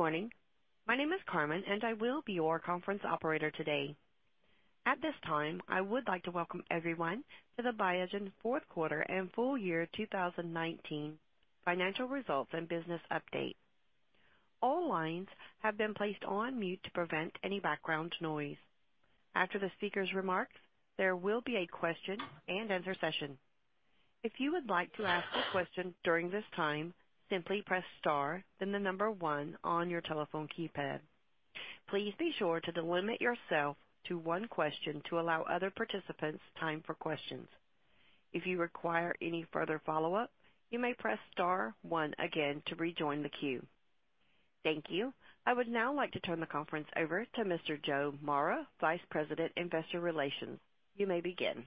Good morning. My name is Carmen, and I will be your conference operator today. At this time, I would like to welcome everyone to the Biogen fourth quarter and full year 2019 financial results and business update. All lines have been placed on mute to prevent any background noise. After the speaker's remarks, there will be a question and answer session. If you would like to ask a question during this time, simply press star, then the number one on your telephone keypad. Please be sure to limit yourself to one question to allow other participants time for questions. If you require any further follow-up, you may press star one again to rejoin the queue. Thank you. I would now like to turn the conference over to Mr. Joe Mara, Vice President, Investor Relations. You may begin.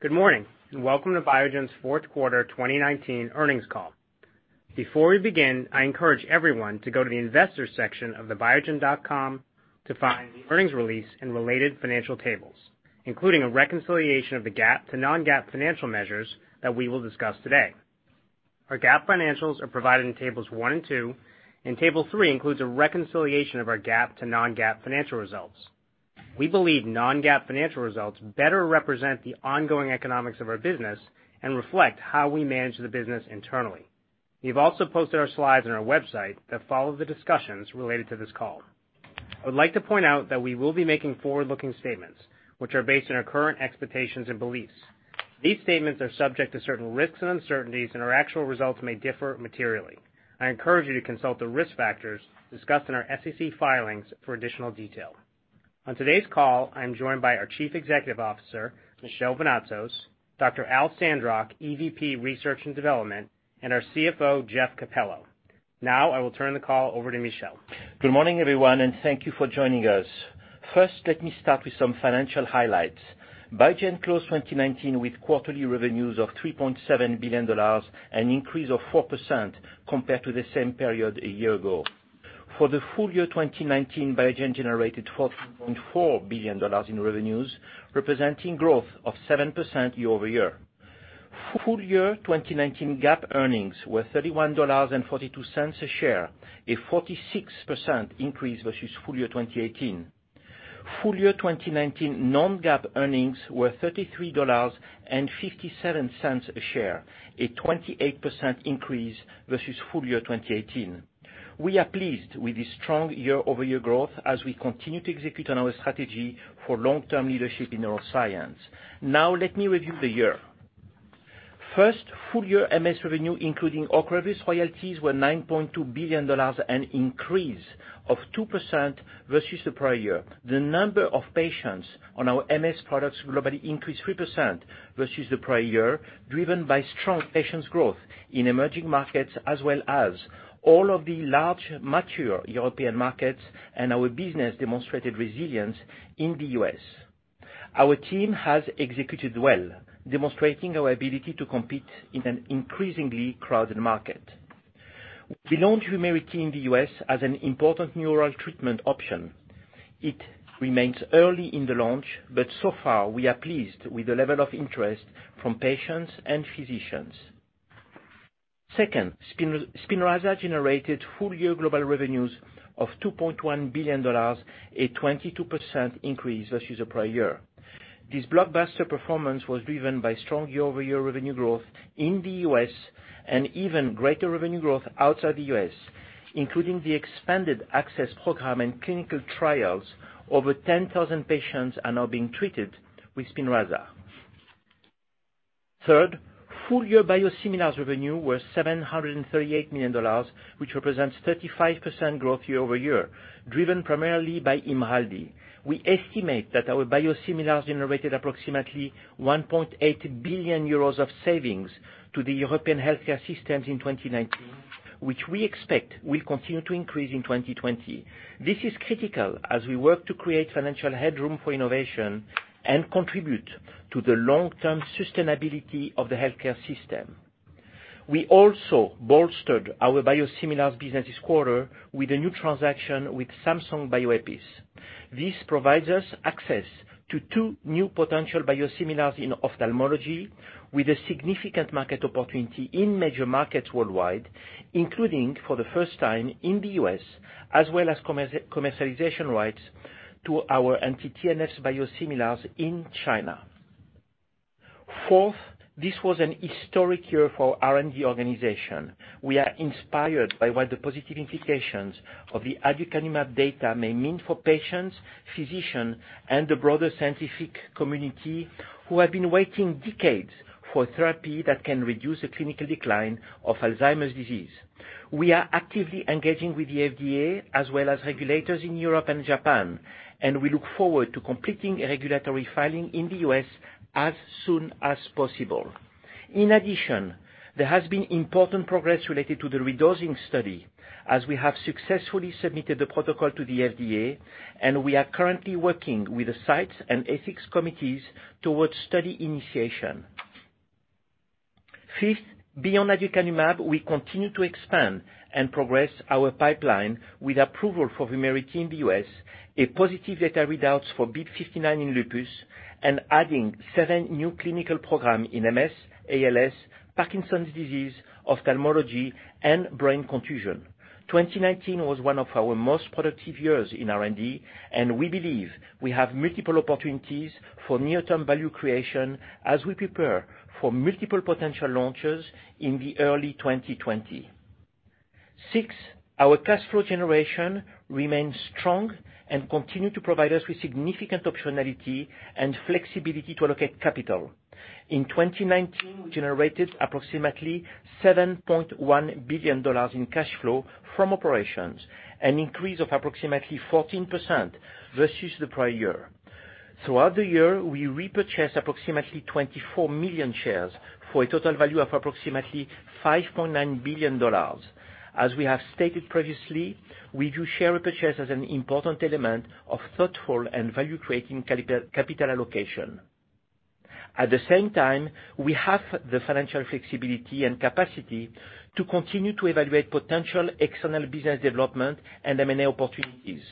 Good morning, and welcome to Biogen's fourth quarter 2019 earnings call. Before we begin, I encourage everyone to go to the investors section of the biogen.com to find the earnings release and related financial tables, including a reconciliation of the GAAP to non-GAAP financial measures that we will discuss today. Our GAAP financials are provided in tables 1 and 2. Table 3 includes a reconciliation of our GAAP to non-GAAP financial results. We believe non-GAAP financial results better represent the ongoing economics of our business and reflect how we manage the business internally. We've also posted our slides on our website that follow the discussions related to this call. I would like to point out that we will be making forward-looking statements, which are based on our current expectations and beliefs. These statements are subject to certain risks and uncertainties. Our actual results may differ materially. I encourage you to consult the risk factors discussed in our SEC filings for additional detail. On today's call, I'm joined by our Chief Executive Officer, Michel Vounatsos, Dr. Al Sandrock, Executive Vice President, Research and Development, and our Chief Financial Officer, Jeff Capello. I will turn the call over to Michel. Good morning, everyone, and thank you for joining us. First, let me start with some financial highlights. Biogen closed 2019 with quarterly revenues of $3.7 billion, an increase of 4% compared to the same period a year ago. For the full year 2019, Biogen generated $14.4 billion in revenues, representing growth of 7% year-over-year. Full year 2019 GAAP earnings were $31.42 a share, a 46% increase versus full year 2018. Full year 2019 non-GAAP earnings were $33.57 a share, a 28% increase versus full year 2018. We are pleased with this strong year-over-year growth as we continue to execute on our strategy for long-term leadership in neuroscience. Now let me review the year. First, full year MS revenue, including OCREVUS royalties, were $9.2 billion, an increase of 2% versus the prior year. The number of patients on our MS products globally increased 3% versus the prior year, driven by strong patients growth in emerging markets as well as all of the large, mature European markets and our business demonstrated resilience in the U.S. Our team has executed well, demonstrating our ability to compete in an increasingly crowded market. We launched VUMERITY in the U.S. as an important oral treatment option. It remains early in the launch, but so far, we are pleased with the level of interest from patients and physicians. Second, SPINRAZA generated full-year global revenues of $2.1 billion, a 22% increase versus the prior year. This blockbuster performance was driven by strong year-over-year revenue growth in the U.S. and even greater revenue growth outside the U.S., including the expanded access program and clinical trials. Over 10,000 patients are now being treated with SPINRAZA. Full year biosimilars revenue was $738 million, which represents 35% growth year-over-year, driven primarily by IMRALDI. We estimate that our biosimilars generated approximately €1.8 billion of savings to the European healthcare systems in 2019, which we expect will continue to increase in 2020. This is critical as we work to create financial headroom for innovation and contribute to the long-term sustainability of the healthcare system. We also bolstered our biosimilars business this quarter with a new transaction with Samsung Bioepis. This provides us access to two new potential biosimilars in ophthalmology with a significant market opportunity in major markets worldwide, including for the first time in the U.S., as well as commercialization rights to our anti-TNF biosimilars in China. This was an historic year for our R&D organization. We are inspired by what the positive implications of the aducanumab data may mean for patients, physicians, and the broader scientific community who have been waiting decades for a therapy that can reduce the clinical decline of Alzheimer's disease. We are actively engaging with the FDA as well as regulators in Europe and Japan. We look forward to completing a regulatory filing in the U.S. as soon as possible. In addition, there has been important progress related to the redosing study, as we have successfully submitted the protocol to the FDA. We are currently working with the sites and ethics committees towards study initiation. Fifth, beyond aducanumab, we continue to expand and progress our pipeline with approval for VUMERITY in the U.S., a positive data readouts for BIIB059 in lupus. Adding seven new clinical program in MS, ALS, Parkinson's disease, ophthalmology, and brain contusion. 2019 was one of our most productive years in R&D, and we believe we have multiple opportunities for near-term value creation as we prepare for multiple potential launches in the early 2020. Sixth, our cash flow generation remains strong and continue to provide us with significant optionality and flexibility to allocate capital. In 2019, we generated approximately $7.1 billion in cash flow from operations, an increase of approximately 14% versus the prior year. Throughout the year, we repurchased approximately 24 million shares for a total value of approximately $5.9 billion. As we have stated previously, we view share repurchase as an important element of thoughtful and value-creating capital allocation. At the same time, we have the financial flexibility and capacity to continue to evaluate potential external business development and M&A opportunities.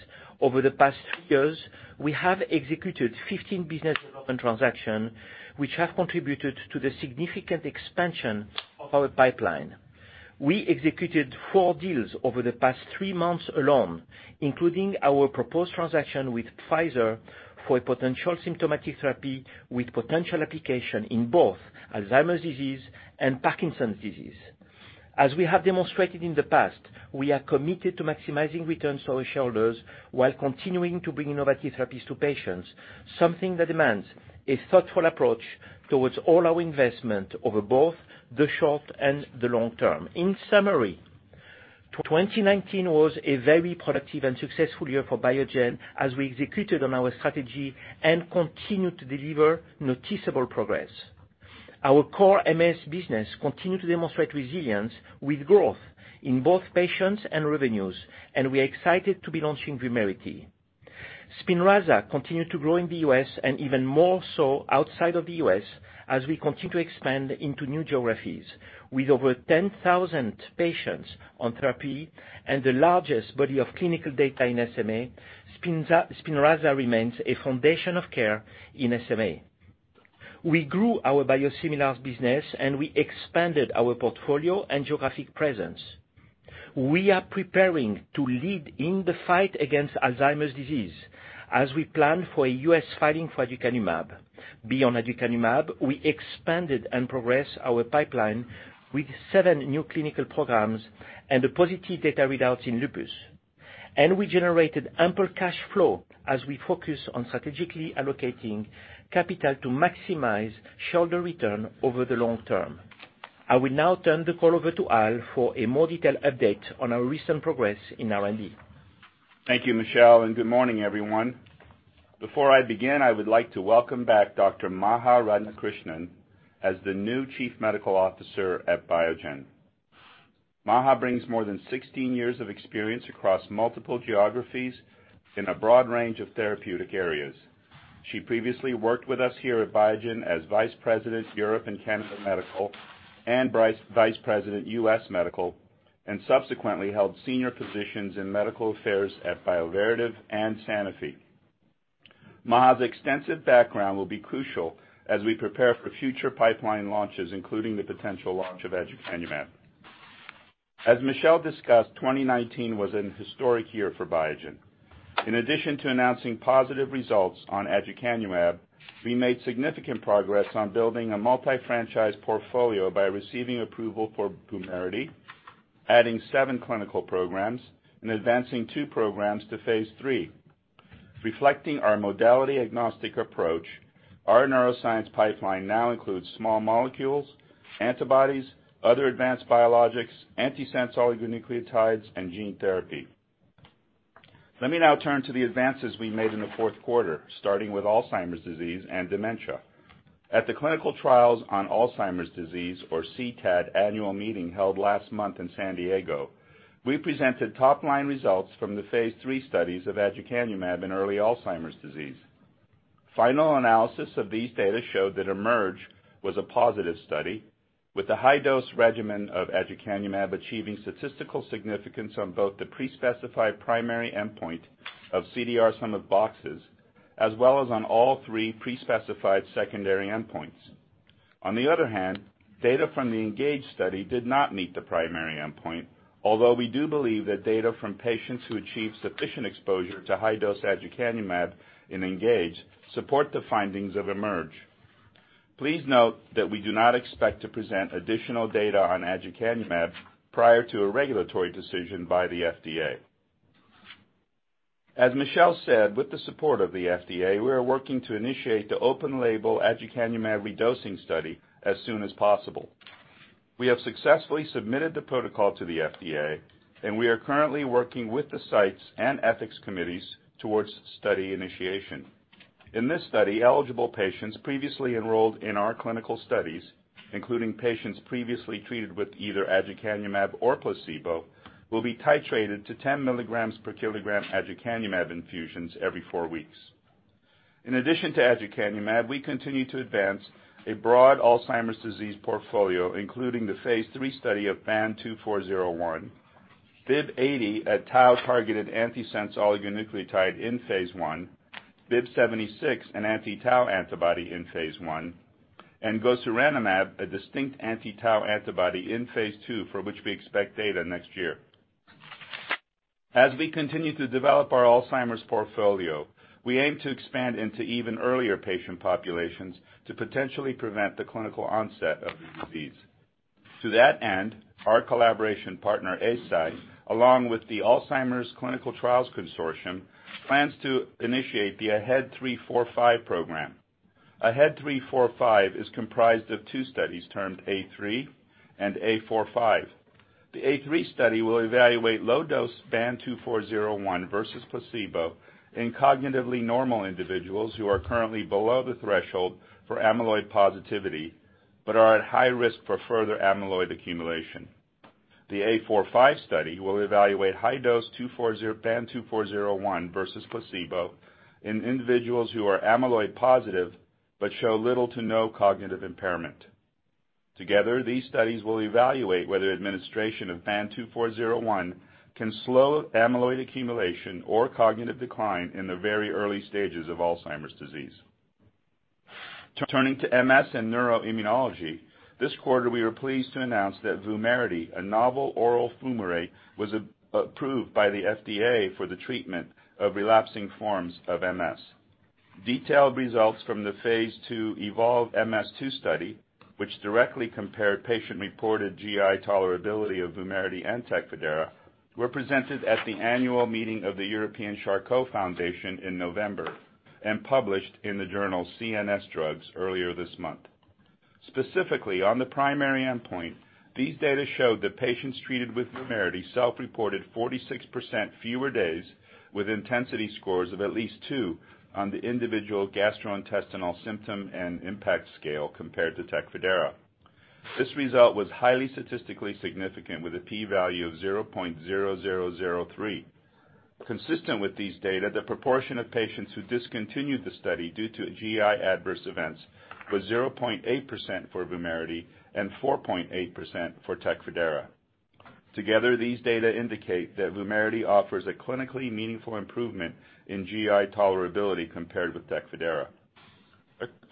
Over the past three years, we have executed 15 business development transaction, which have contributed to the significant expansion of our pipeline. We executed four deals over the past three months alone, including our proposed transaction with Pfizer for a potential symptomatic therapy with potential application in both Alzheimer's disease and Parkinson's disease. As we have demonstrated in the past, we are committed to maximizing returns to our shareholders while continuing to bring innovative therapies to patients, something that demands a thoughtful approach towards all our investment over both the short and the long term. In summary, 2019 was a very productive and successful year for Biogen as we executed on our strategy and continued to deliver noticeable progress. Our core MS business continued to demonstrate resilience with growth in both patients and revenues, and we are excited to be launching VUMERITY. SPINRAZA continued to grow in the U.S. and even more so outside of the U.S. as we continue to expand into new geographies. With over 10,000 patients on therapy and the largest body of clinical data in SMA, SPINRAZA remains a foundation of care in SMA. We grew our biosimilars business, and we expanded our portfolio and geographic presence. We are preparing to lead in the fight against Alzheimer's disease as we plan for a U.S. filing for aducanumab. Beyond aducanumab, we expanded and progressed our pipeline with seven new clinical programs and the positive data readouts in lupus. We generated ample cash flow as we focus on strategically allocating capital to maximize shareholder return over the long term. I will now turn the call over to Al for a more detailed update on our recent progress in R&D. Thank you, Michel. Good morning, everyone. Before I begin, I would like to welcome back Dr. Maha Radhakrishnan as the new Chief Medical Officer at Biogen. Maha brings more than 16 years of experience across multiple geographies in a broad range of therapeutic areas. She previously worked with us here at Biogen as vice president, Europe and Canada Medical, and vice president, U.S. Medical, and subsequently held senior positions in medical affairs at Bioverativ and Sanofi. Maha's extensive background will be crucial as we prepare for future pipeline launches, including the potential launch of aducanumab. As Michel discussed, 2019 was an historic year for Biogen. In addition to announcing positive results on aducanumab, we made significant progress on building a multi-franchise portfolio by receiving approval for VUMERITY, adding seven clinical programs, and advancing two programs to phase III. Reflecting our modality-agnostic approach, our neuroscience pipeline now includes small molecules, antibodies, other advanced biologics, antisense oligonucleotides, and gene therapy. Let me now turn to the advances we made in the fourth quarter, starting with Alzheimer's disease and dementia. At the Clinical Trials on Alzheimer's Disease, or CTAD, annual meeting held last month in San Diego, we presented top-line results from the phase III studies of aducanumab in early Alzheimer's disease. Final analysis of these data showed that EMERGE was a positive study with the high-dose regimen of aducanumab achieving statistical significance on both the pre-specified primary endpoint of CDR sum of boxes, as well as on all three pre-specified secondary endpoints. On the other hand, data from the ENGAGE study did not meet the primary endpoint, although we do believe that data from patients who achieved sufficient exposure to high-dose aducanumab in ENGAGE support the findings of EMERGE. Please note that we do not expect to present additional data on aducanumab prior to a regulatory decision by the FDA. As Michel said, with the support of the FDA, we are working to initiate the open label aducanumab redosing study as soon as possible. We have successfully submitted the protocol to the FDA, and we are currently working with the sites and ethics committees towards study initiation. In this study, eligible patients previously enrolled in our clinical studies, including patients previously treated with either aducanumab or placebo, will be titrated to 10 milligrams per kilogram aducanumab infusions every four weeks. In addition to aducanumab, we continue to advance a broad Alzheimer's disease portfolio, including the phase III study of BAN2401, BIIB080, a tau-targeted antisense oligonucleotide in phase I, BIIB076, an anti-tau antibody in phase I, and gosuranemab, a distinct anti-tau antibody in phase II, for which we expect data next year. As we continue to develop our Alzheimer's portfolio, we aim to expand into even earlier patient populations to potentially prevent the clinical onset of the disease. To that end, our collaboration partner, Eisai, along with the Alzheimer's Clinical Trials Consortium, plans to initiate the AHEAD 3-45 Program. AHEAD 3-45 is comprised of two studies termed A3 and A45. The A3 study will evaluate low-dose BAN2401 versus placebo in cognitively normal individuals who are currently below the threshold for amyloid positivity but are at high risk for further amyloid accumulation. The A45 study will evaluate high-dose BAN2401 versus placebo in individuals who are amyloid positive but show little to no cognitive impairment. Together, these studies will evaluate whether administration of BAN2401 can slow amyloid accumulation or cognitive decline in the very early stages of Alzheimer's disease. Turning to MS and neuroimmunology, this quarter we were pleased to announce that VUMERITY, a novel oral fumarate, was approved by the FDA for the treatment of relapsing forms of MS. Detailed results from the phase II EVOLVE-MS-2 study, which directly compared patient-reported GI tolerability of VUMERITY and TECFIDERA, were presented at the annual meeting of the European Charcot Foundation in November and published in the journal CNS Drugs earlier this month. Specifically, on the primary endpoint, these data showed that patients treated with VUMERITY self-reported 46% fewer days with intensity scores of at least two on the individual gastrointestinal symptom and impact scale compared to TECFIDERA. This result was highly statistically significant with a P value of 0.0003. Consistent with these data, the proportion of patients who discontinued the study due to GI adverse events was 0.8% for VUMERITY and 4.8% for TECFIDERA. Together, these data indicate that VUMERITY offers a clinically meaningful improvement in GI tolerability compared with TECFIDERA.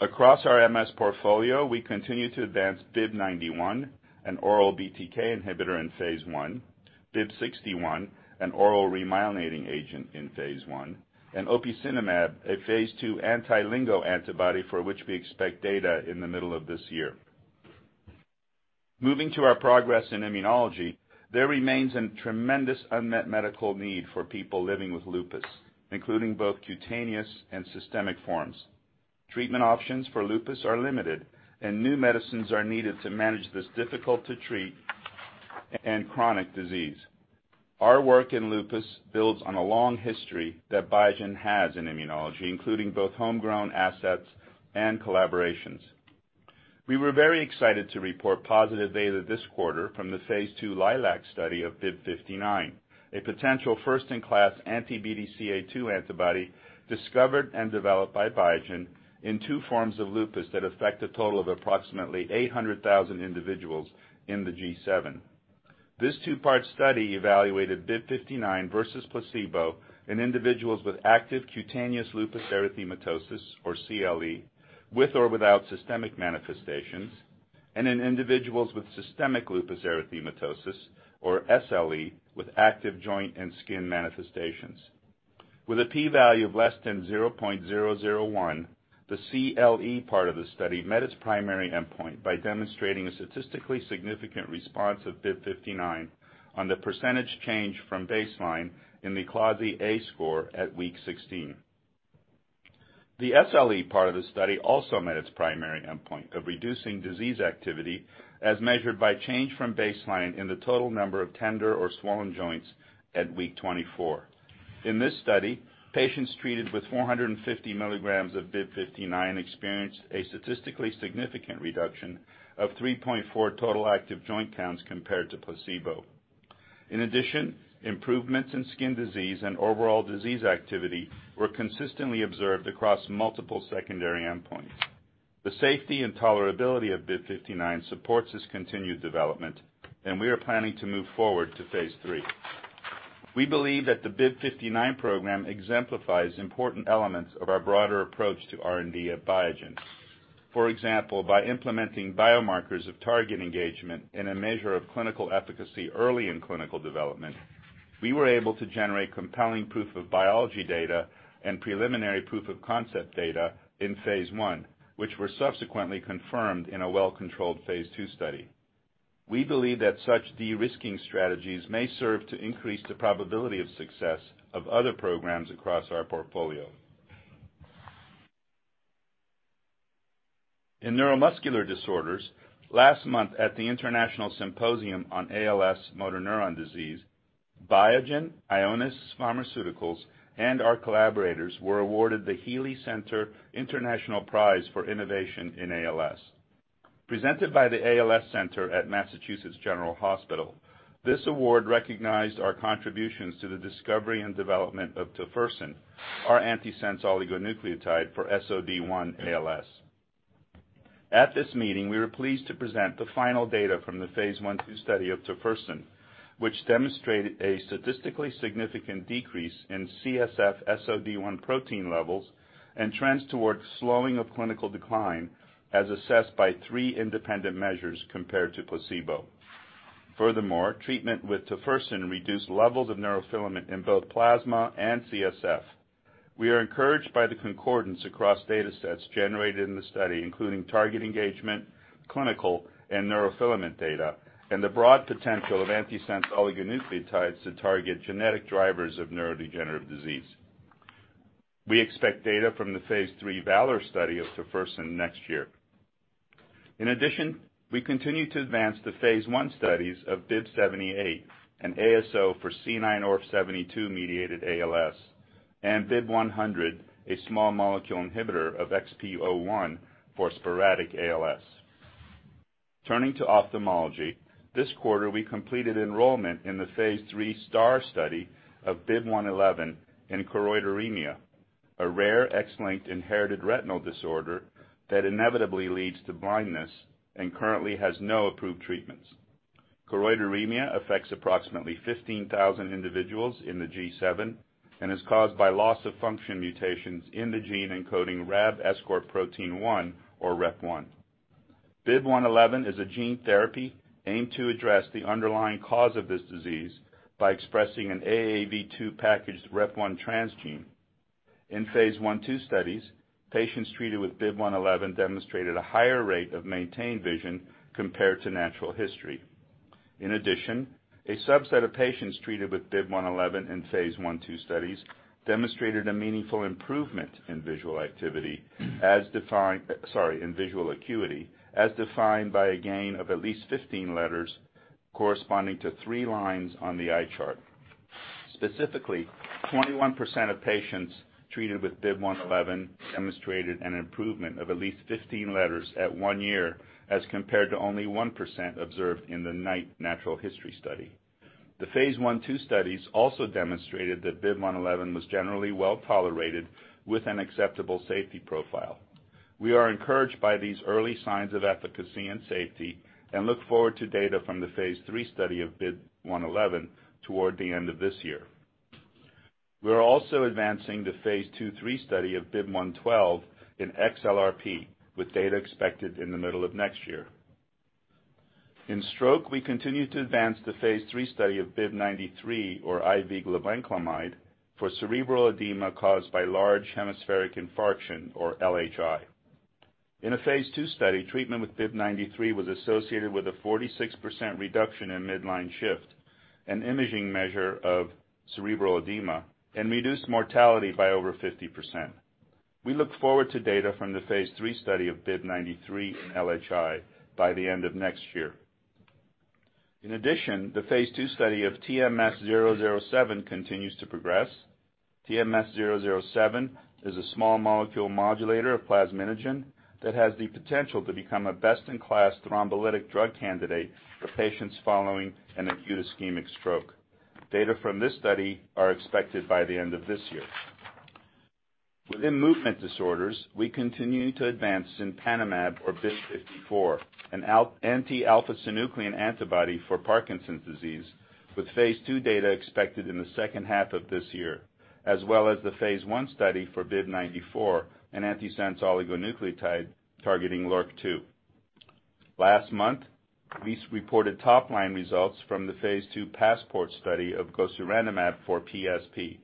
Across our MS portfolio, we continue to advance BIIB091, an oral BTK inhibitor in phase I, BIIB061, an oral remyelinating agent in phase I, and opicinumab, a phase II anti-LINGO-1 antibody for which we expect data in the middle of this year. Moving to our progress in immunology, there remains a tremendous unmet medical need for people living with lupus, including both cutaneous and systemic forms. Treatment options for lupus are limited, and new medicines are needed to manage this difficult-to-treat and chronic disease. Our work in lupus builds on a long history that Biogen has in immunology, including both homegrown assets and collaborations. We were very excited to report positive data this quarter from the phase II LILAC study of BIIB059, a potential first-in-class anti-BDCA2 antibody discovered and developed by Biogen in two forms of lupus that affect a total of approximately 800,000 individuals in the G7. This two-part study evaluated BIIB059 versus placebo in individuals with active cutaneous lupus erythematosus, or CLE, with or without systemic manifestations, and in individuals with systemic lupus erythematosus, or SLE, with active joint and skin manifestations. With a P value of less than 0.001, the CLE part of the study met its primary endpoint by demonstrating a statistically significant response of BIIB059 on the percentage change from baseline in the CLASI-A score at week 16. The SLE part of the study also met its primary endpoint of reducing disease activity, as measured by change from baseline in the total number of tender or swollen joints at week 24. In this study, patients treated with 450 milligrams of BIIB059 experienced a statistically significant reduction of 3.4 total active joint counts compared to placebo. In addition, improvements in skin disease and overall disease activity were consistently observed across multiple secondary endpoints. The safety and tolerability of BIIB059 supports its continued development. We are planning to move forward to phase III. We believe that the BIIB059 program exemplifies important elements of our broader approach to R&D at Biogen. For example, by implementing biomarkers of target engagement in a measure of clinical efficacy early in clinical development, we were able to generate compelling proof of biology data and preliminary proof of concept data in phase I, which were subsequently confirmed in a well-controlled phase II study. We believe that such de-risking strategies may serve to increase the probability of success of other programs across our portfolio. In neuromuscular disorders, last month at the International Symposium on ALS Motor Neuron Disease, Biogen, Ionis Pharmaceuticals, and our collaborators were awarded the Sean M. Healey International Prize for Innovation in ALS. Presented by the ALS Center at Massachusetts General Hospital. This award recognized our contributions to the discovery and development of tofersen, our antisense oligonucleotide for SOD1 ALS. At this meeting, we were pleased to present the final data from the phase I/II study of tofersen, which demonstrated a statistically significant decrease in CSF SOD1 protein levels and trends towards slowing of clinical decline as assessed by three independent measures compared to placebo. Treatment with tofersen reduced levels of neurofilament in both plasma and CSF. We are encouraged by the concordance across data sets generated in the study, including target engagement, clinical and neurofilament data, and the broad potential of antisense oligonucleotides to target genetic drivers of neurodegenerative disease. We expect data from the phase III VALOR study of tofersen next year. In addition, we continue to advance the phase I studies of BIIB078, an ASO for C9orf72-mediated ALS, and BIIB100, a small molecule inhibitor of XPO1 for sporadic ALS. Turning to ophthalmology. This quarter, we completed enrollment in the phase III STAR study of BIIB111 in choroideremia, a rare X-linked inherited retinal disorder that inevitably leads to blindness and currently has no approved treatments. Choroideremia affects approximately 15,000 individuals in the G7 and is caused by loss-of-function mutations in the gene encoding rab escort protein 1, or REP1. BIIB111 is a gene therapy aimed to address the underlying cause of this disease by expressing an AAV2 packaged REP1 transgene. In phase I/II studies, patients treated with BIIB111 demonstrated a higher rate of maintained vision compared to natural history. In addition, a subset of patients treated with BIIB111 in phase I/II studies demonstrated a meaningful improvement in visual acuity, as defined by a gain of at least 15 letters corresponding to three lines on the eye chart. Specifically, 21% of patients treated with BIIB111 demonstrated an improvement of at least 15 letters at one year, as compared to only 1% observed in the Knight natural history study. The phase I/II studies also demonstrated that BIIB111 was generally well-tolerated with an acceptable safety profile. We are encouraged by these early signs of efficacy and safety and look forward to data from the phase III study of BIIB111 toward the end of this year. We are also advancing the phase II study of BIIB112 in XLRP, with data expected in the middle of next year. In stroke, we continue to advance the phase III study of BIIB093, or IV glibenclamide, for cerebral edema caused by large hemispheric infarction, or LHI. In a phase II study, treatment with BIIB093 was associated with a 46% reduction in midline shift, an imaging measure of cerebral edema, and reduced mortality by over 50%. We look forward to data from the phase III study of BIIB093 in LHI by the end of next year. In addition, the phase II study of TMS-007 continues to progress. TMS-007 is a small molecule modulator of plasminogen that has the potential to become a best-in-class thrombolytic drug candidate for patients following an acute ischemic stroke. Data from this study are expected by the end of this year. Within movement disorders, we continue to advance cinpanemab or BIIB054, an anti-alpha-synuclein antibody for Parkinson's disease, with phase II data expected in the second half of this year, as well as the phase I study for BIIB094, an antisense oligonucleotide targeting LRRK2. Last month, we reported top-line results from the phase II PASSPORT study of gosuranemab for PSP.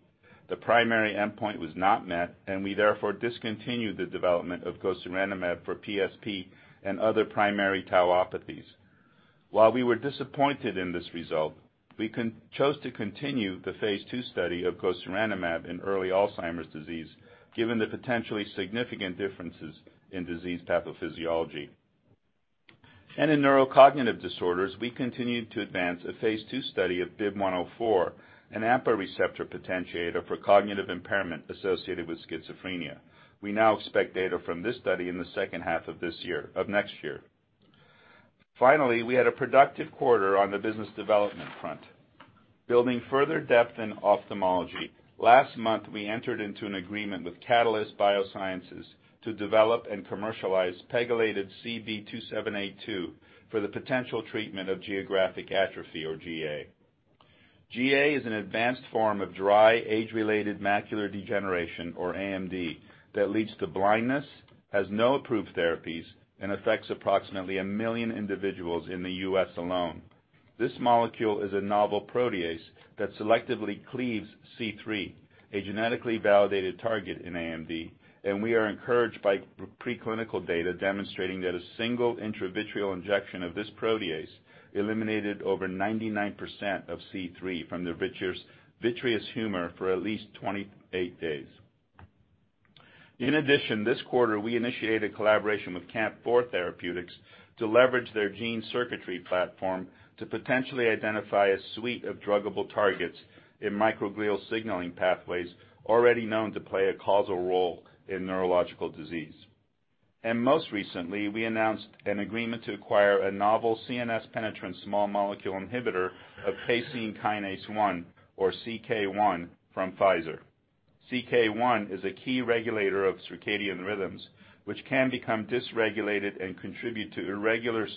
The primary endpoint was not met. We therefore discontinued the development of gosuranemab for PSP and other primary tauopathies. While we were disappointed in this result, we chose to continue the phase II study of gosuranemab in early Alzheimer's disease, given the potentially significant differences in disease pathophysiology. In neurocognitive disorders, we continued to advance a phase II study of BIIB104, an AMPA receptor potentiator for cognitive impairment associated with schizophrenia. We now expect data from this study in the second half of next year. Finally, we had a productive quarter on the business development front. Building further depth in ophthalmology. Last month, we entered into an agreement with Catalyst Biosciences to develop and commercialize pegylated CB 2782 for the potential treatment of geographic atrophy or GA. GA is an advanced form of dry age-related macular degeneration, or AMD, that leads to blindness, has no approved therapies, and affects approximately 1 million individuals in the U.S. alone. This molecule is a novel protease that selectively cleaves C3, a genetically validated target in AMD, and we are encouraged by preclinical data demonstrating that a single intravitreal injection of this protease eliminated over 99% of C3 from the vitreous humor for at least 28 days. In addition, this quarter, we initiated collaboration with Camp4 Therapeutics to leverage their gene circuitry platform to potentially identify a suite of druggable targets in microglial signaling pathways already known to play a causal role in neurological disease. Most recently, we announced an agreement to acquire a novel CNS-penetrant small molecule inhibitor of Casein Kinase 1, or CK1, from Pfizer. CK1 is a key regulator of circadian rhythms, which can become dysregulated and contribute to Irregular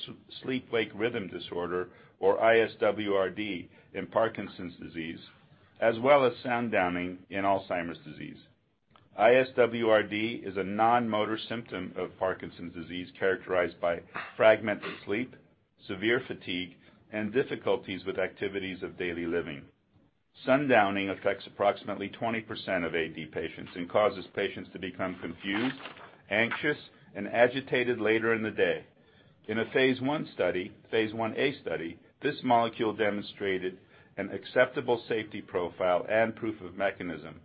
Sleep-Wake Rhythm Disorder, or ISWRD, in Parkinson's disease, as well as sundowning in Alzheimer's disease. ISWRD is a non-motor symptom of Parkinson's disease characterized by fragmented sleep, severe fatigue, and difficulties with activities of daily living. Sundowning affects approximately 20% of AD patients and causes patients to become confused, anxious, and agitated later in the day. In a phase I study, phase I-A study, this molecule demonstrated an acceptable safety profile and proof of mechanism.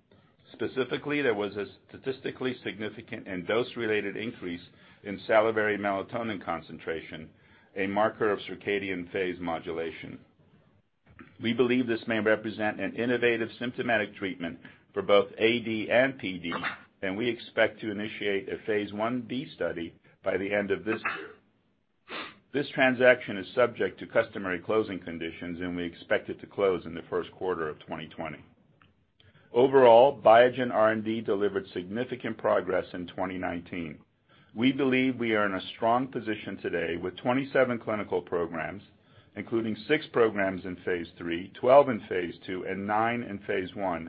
Specifically, there was a statistically significant and dose-related increase in salivary melatonin concentration, a marker of circadian phase modulation. We believe this may represent an innovative symptomatic treatment for both AD and PD, and we expect to initiate a phase I-B study by the end of this year. This transaction is subject to customary closing conditions, and we expect it to close in the first quarter of 2020. Overall, Biogen R&D delivered significant progress in 2019. We believe we are in a strong position today with 27 clinical programs, including six programs in phase III, 12 in phase II, and nine in phase I,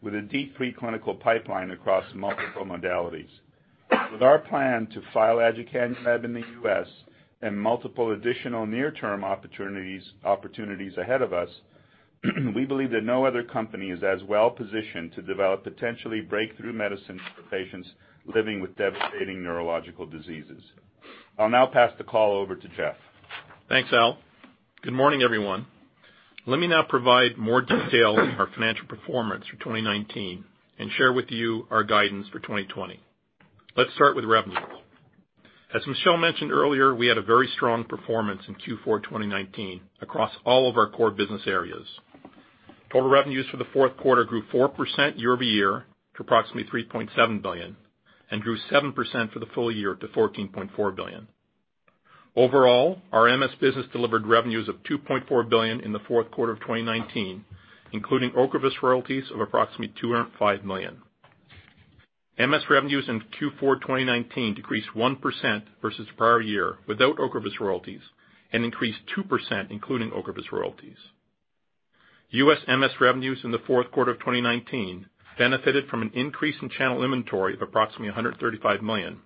with a deep pre-clinical pipeline across multiple modalities. With our plan to file aducanumab in the U.S. and multiple additional near-term opportunities ahead of us, we believe that no other company is as well positioned to develop potentially breakthrough medicines for patients living with devastating neurological diseases. I'll now pass the call over to Jeff. Thanks, Al. Good morning, everyone. Let me now provide more detail on our financial performance for 2019 and share with you our guidance for 2020. Let's start with revenue. As Michel mentioned earlier, we had a very strong performance in Q4 2019 across all of our core business areas. Total revenues for the fourth quarter grew 4% year-over-year to approximately $3.7 billion and grew 7% for the full year to $14.4 billion. Overall, our MS business delivered revenues of $2.4 billion in the fourth quarter of 2019, including OCREVUS royalties of approximately $205 million. MS revenues in Q4 2019 decreased 1% versus the prior year without OCREVUS royalties and increased 2% including OCREVUS royalties. U.S. MS revenues in the fourth quarter of 2019 benefited from an increase in channel inventory of approximately $135 million,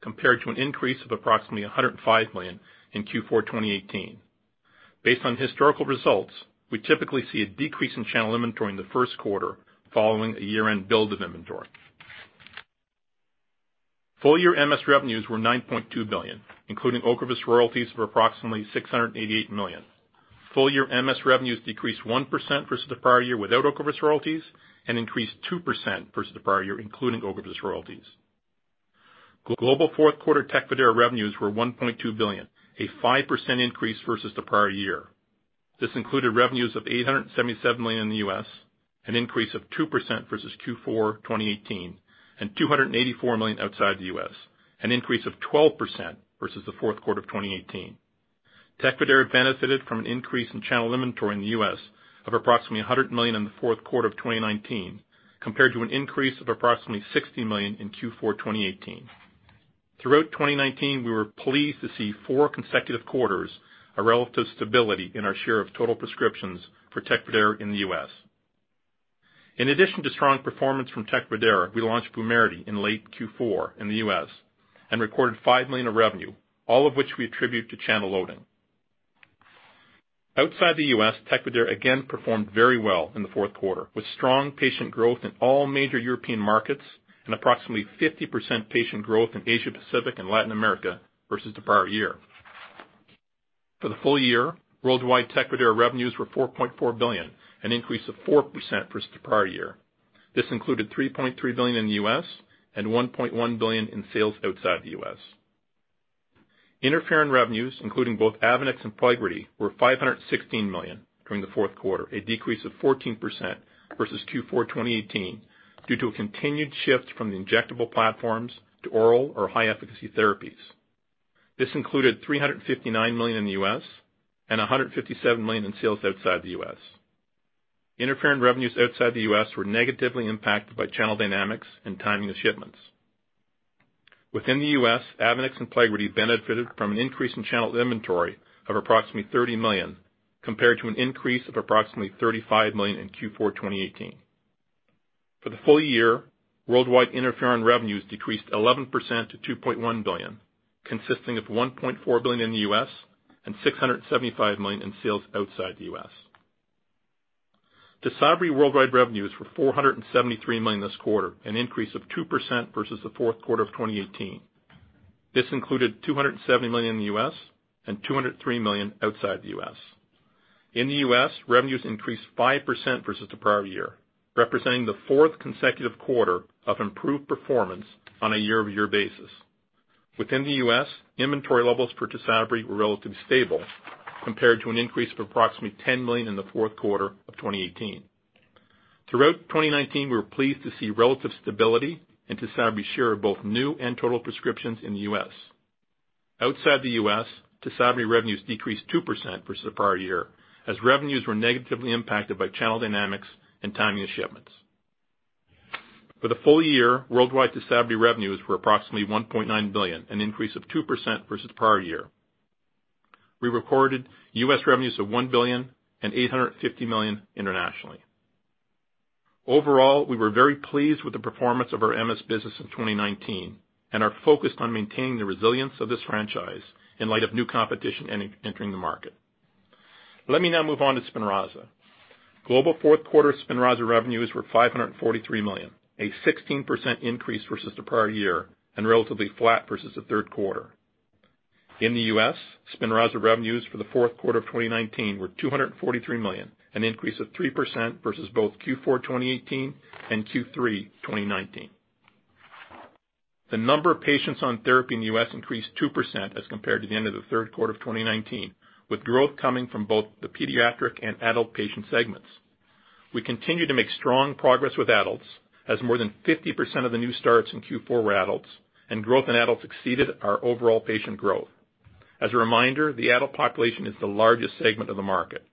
compared to an increase of approximately $105 million in Q4 2018. Based on historical results, we typically see a decrease in channel inventory in the first quarter following a year-end build of inventory. Full-year MS revenues were $9.2 billion, including OCREVUS royalties of approximately $688 million. Full-year MS revenues decreased 1% versus the prior year without OCREVUS royalties and increased 2% versus the prior year including OCREVUS royalties. Global fourth quarter TECFIDERA revenues were $1.2 billion, a 5% increase versus the prior year. This included revenues of $877 million in the U.S., an increase of 2% versus Q4 2018, and $284 million outside the U.S., an increase of 12% versus the fourth quarter of 2018. TECFIDERA benefited from an increase in channel inventory in the U.S. of approximately $100 million in the fourth quarter of 2019, compared to an increase of approximately $60 million in Q4 2018. Throughout 2019, we were pleased to see four consecutive quarters of relative stability in our share of total prescriptions for TECFIDERA in the U.S. In addition to strong performance from TECFIDERA, we launched VUMERITY in late Q4 in the U.S. and recorded $5 million of revenue, all of which we attribute to channel loading. Outside the U.S., TECFIDERA again performed very well in the fourth quarter, with strong patient growth in all major European markets and approximately 50% patient growth in Asia Pacific and Latin America versus the prior year. For the full year, worldwide TECFIDERA revenues were $4.4 billion, an increase of 4% versus the prior year. This included $3.3 billion in the U.S. and $1.1 billion in sales outside the U.S. Interferon revenues, including both AVONEX and PLEGRIDY, were $516 million during the fourth quarter, a decrease of 14% versus Q4 2018 due to a continued shift from the injectable platforms to oral or high-efficacy therapies. This included $359 million in the U.S. and $157 million in sales outside the U.S. Interferon revenues outside the U.S. were negatively impacted by channel dynamics and timing of shipments. Within the U.S., AVONEX and PLEGRIDY benefited from an increase in channel inventory of approximately $30 million, compared to an increase of approximately $35 million in Q4 2018. For the full year, worldwide interferon revenues decreased 11% to $2.1 billion, consisting of $1.4 billion in the U.S. and $675 million in sales outside the U.S. TYSABRI worldwide revenues were $473 million this quarter, an increase of 2% versus the fourth quarter of 2018. This included $270 million in the U.S. and $203 million outside the U.S. In the U.S., revenues increased 5% versus the prior year, representing the fourth consecutive quarter of improved performance on a year-over-year basis. Within the U.S., inventory levels for Tysabri were relatively stable compared to an increase of approximately $10 million in the fourth quarter of 2018. Throughout 2019, we were pleased to see relative stability in Tysabri's share of both new and total prescriptions in the U.S. Outside the U.S., Tysabri revenues decreased 2% versus the prior year, as revenues were negatively impacted by channel dynamics and timing of shipments. For the full year, worldwide Tysabri revenues were approximately $1.9 billion, an increase of 2% versus the prior year. We recorded U.S. revenues of $1 billion and $850 million internationally. Overall, we were very pleased with the performance of our MS business in 2019 and are focused on maintaining the resilience of this franchise in light of new competition entering the market. Let me now move on to SPINRAZA. Global fourth quarter SPINRAZA revenues were $543 million, a 16% increase versus the prior year, and relatively flat versus the third quarter. In the U.S., SPINRAZA revenues for the fourth quarter of 2019 were $243 million, an increase of 3% versus both Q4 2018 and Q3 2019. The number of patients on therapy in the U.S. increased 2% as compared to the end of the third quarter of 2019, with growth coming from both the pediatric and adult patient segments. We continue to make strong progress with adults, as more than 50% of the new starts in Q4 were adults, and growth in adults exceeded our overall patient growth. As a reminder, the adult population is the largest segment of the market.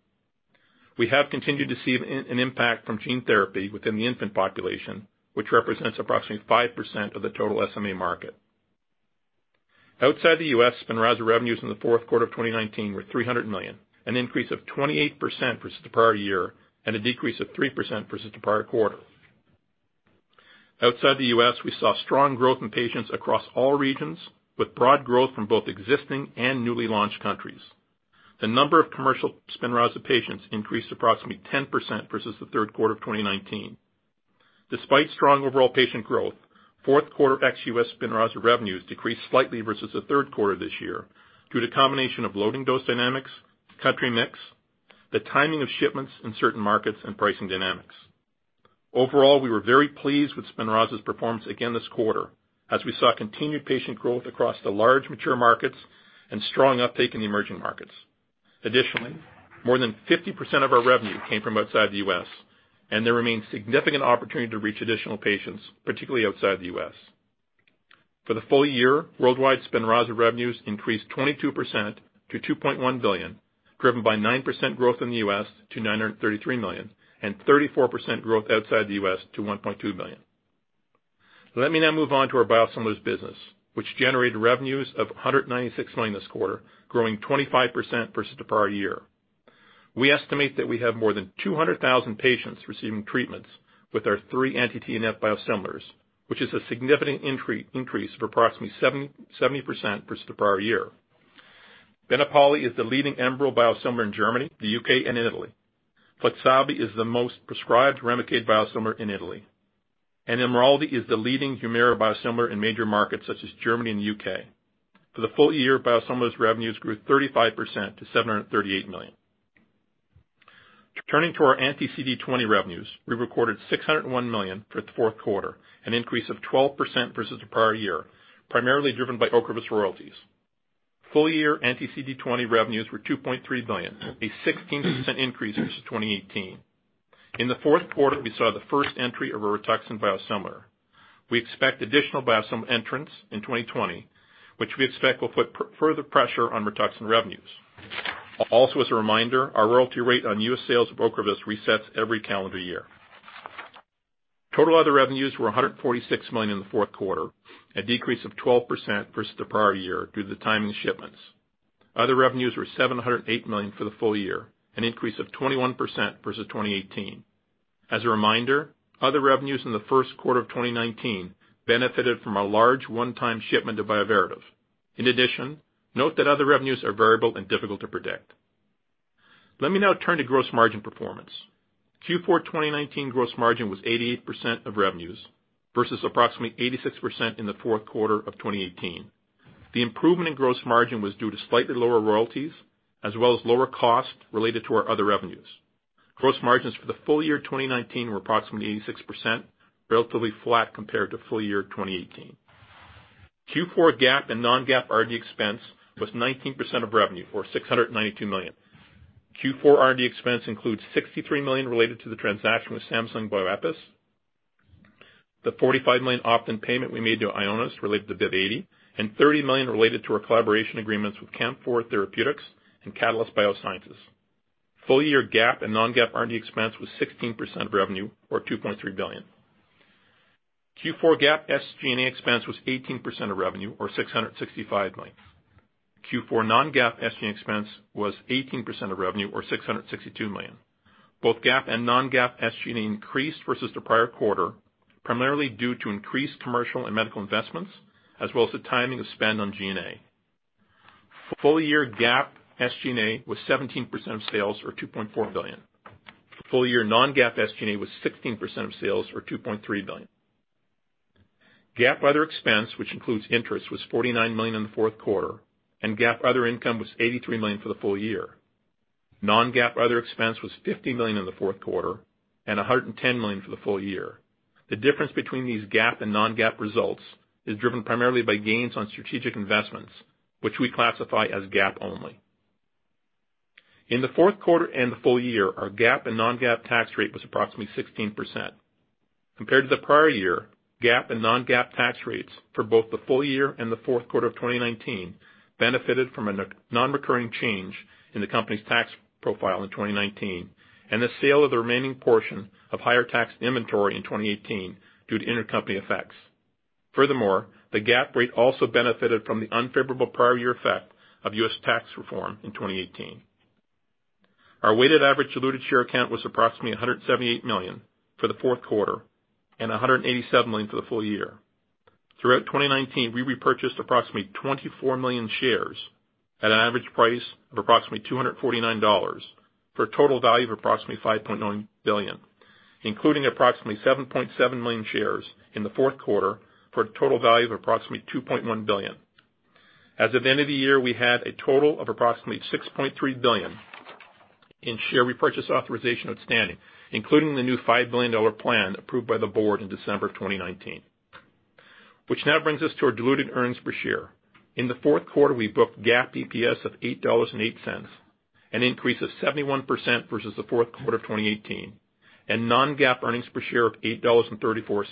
We have continued to see an impact from gene therapy within the infant population, which represents approximately 5% of the total SMA market. Outside the U.S., SPINRAZA revenues in the fourth quarter of 2019 were $300 million, an increase of 28% versus the prior year and a decrease of 3% versus the prior quarter. Outside the U.S., we saw strong growth in patients across all regions, with broad growth from both existing and newly launched countries. The number of commercial SPINRAZA patients increased approximately 10% versus the third quarter of 2019. Despite strong overall patient growth, fourth quarter ex-U.S. SPINRAZA revenues decreased slightly versus the third quarter this year due to combination of loading dose dynamics, country mix, the timing of shipments in certain markets, and pricing dynamics. Overall, we were very pleased with SPINRAZA's performance again this quarter as we saw continued patient growth across the large mature markets and strong uptake in the emerging markets. Additionally, more than 50% of our revenue came from outside the U.S., and there remains significant opportunity to reach additional patients, particularly outside the U.S. For the full year, worldwide SPINRAZA revenues increased 22% to $2.1 billion, driven by 9% growth in the U.S. to $933 million and 34% growth outside the U.S. to $1.2 billion. Let me now move on to our biosimilars business, which generated revenues of $196 million this quarter, growing 25% versus the prior year. We estimate that we have more than 200,000 patients receiving treatments with our three anti-TNF biosimilars, which is a significant increase of approximately 70% versus the prior year. Benepali is the leading ENBREL biosimilar in Germany, the U.K., and in Italy. Flixabi is the most prescribed Remicade biosimilar in Italy. IMRALDI is the leading VUMERITY biosimilar in major markets such as Germany and the U.K. For the full year, biosimilars revenues grew 35% to $738 million. Turning to our anti-CD20 revenues, we recorded $601 million for the fourth quarter, an increase of 12% versus the prior year, primarily driven by OCREVUS royalties. Full year anti-CD20 revenues were $2.3 billion, a 16% increase versus 2018. In the fourth quarter, we saw the first entry of a Rituxan biosimilar. We expect additional biosimilar entrants in 2020, which we expect will put further pressure on Rituxan revenues. As a reminder, our royalty rate on U.S. sales of OCREVUS resets every calendar year. Total other revenues were $146 million in the fourth quarter, a decrease of 12% versus the prior year due to the timing of shipments. Other revenues were $708 million for the full year, an increase of 21% versus 2018. As a reminder, other revenues in the first quarter of 2019 benefited from a large one-time shipment of Bioverativ. Note that other revenues are variable and difficult to predict. Let me now turn to gross margin performance. Q4 2019 gross margin was 88% of revenues versus approximately 86% in the fourth quarter of 2018. The improvement in gross margin was due to slightly lower royalties as well as lower cost related to our other revenues. Gross margins for the full year 2019 were approximately 86%, relatively flat compared to full year 2018. Q4 GAAP and non-GAAP R&D expense was 19% of revenue for $692 million. Q4 R&D expense includes $63 million related to the transaction with Samsung Bioepis, the $45 million option payment we made to Ionis related to BIIB080, and $30 million related to our collaboration agreements with Camp4 Therapeutics and Catalyst Biosciences. Full year GAAP and non-GAAP R&D expense was 16% of revenue, or $2.3 billion. Q4 GAAP SG&A expense was 18% of revenue, or $665 million. Q4 non-GAAP SG&A expense was 18% of revenue, or $662 million. Both GAAP and non-GAAP SG&A increased versus the prior quarter, primarily due to increased commercial and medical investments, as well as the timing of spend on G&A. Full year GAAP SG&A was 17% of sales, or $2.4 billion. Full year non-GAAP SG&A was 16% of sales, or $2.3 billion. GAAP other expense, which includes interest, was $49 million in the fourth quarter, and GAAP other income was $83 million for the full year. Non-GAAP other expense was $50 million in the fourth quarter and $110 million for the full year. The difference between these GAAP and non-GAAP results is driven primarily by gains on strategic investments, which we classify as GAAP only. In the fourth quarter and the full year, our GAAP and non-GAAP tax rate was approximately 16%. Compared to the prior year, GAAP and non-GAAP tax rates for both the full year and the fourth quarter of 2019 benefited from a non-recurring change in the company's tax profile in 2019, and the sale of the remaining portion of higher tax inventory in 2018 due to intercompany effects. Furthermore, the GAAP rate also benefited from the unfavorable prior year effect of U.S. tax reform in 2018. Our weighted average diluted share count was approximately 178 million for the fourth quarter and 187 million for the full year. Throughout 2019, we repurchased approximately 24 million shares at an average price of approximately $249 for a total value of approximately $5.9 billion, including approximately 7.7 million shares in the fourth quarter for a total value of approximately $2.1 billion. As of the end of the year, we had a total of approximately $6.3 billion in share repurchase authorization outstanding, including the new $5 billion plan approved by the board in December of 2019. Which now brings us to our diluted earnings per share. In the fourth quarter, we booked GAAP EPS of $8.08, an increase of 71% versus the fourth quarter of 2018, and non-GAAP earnings per share of $8.34,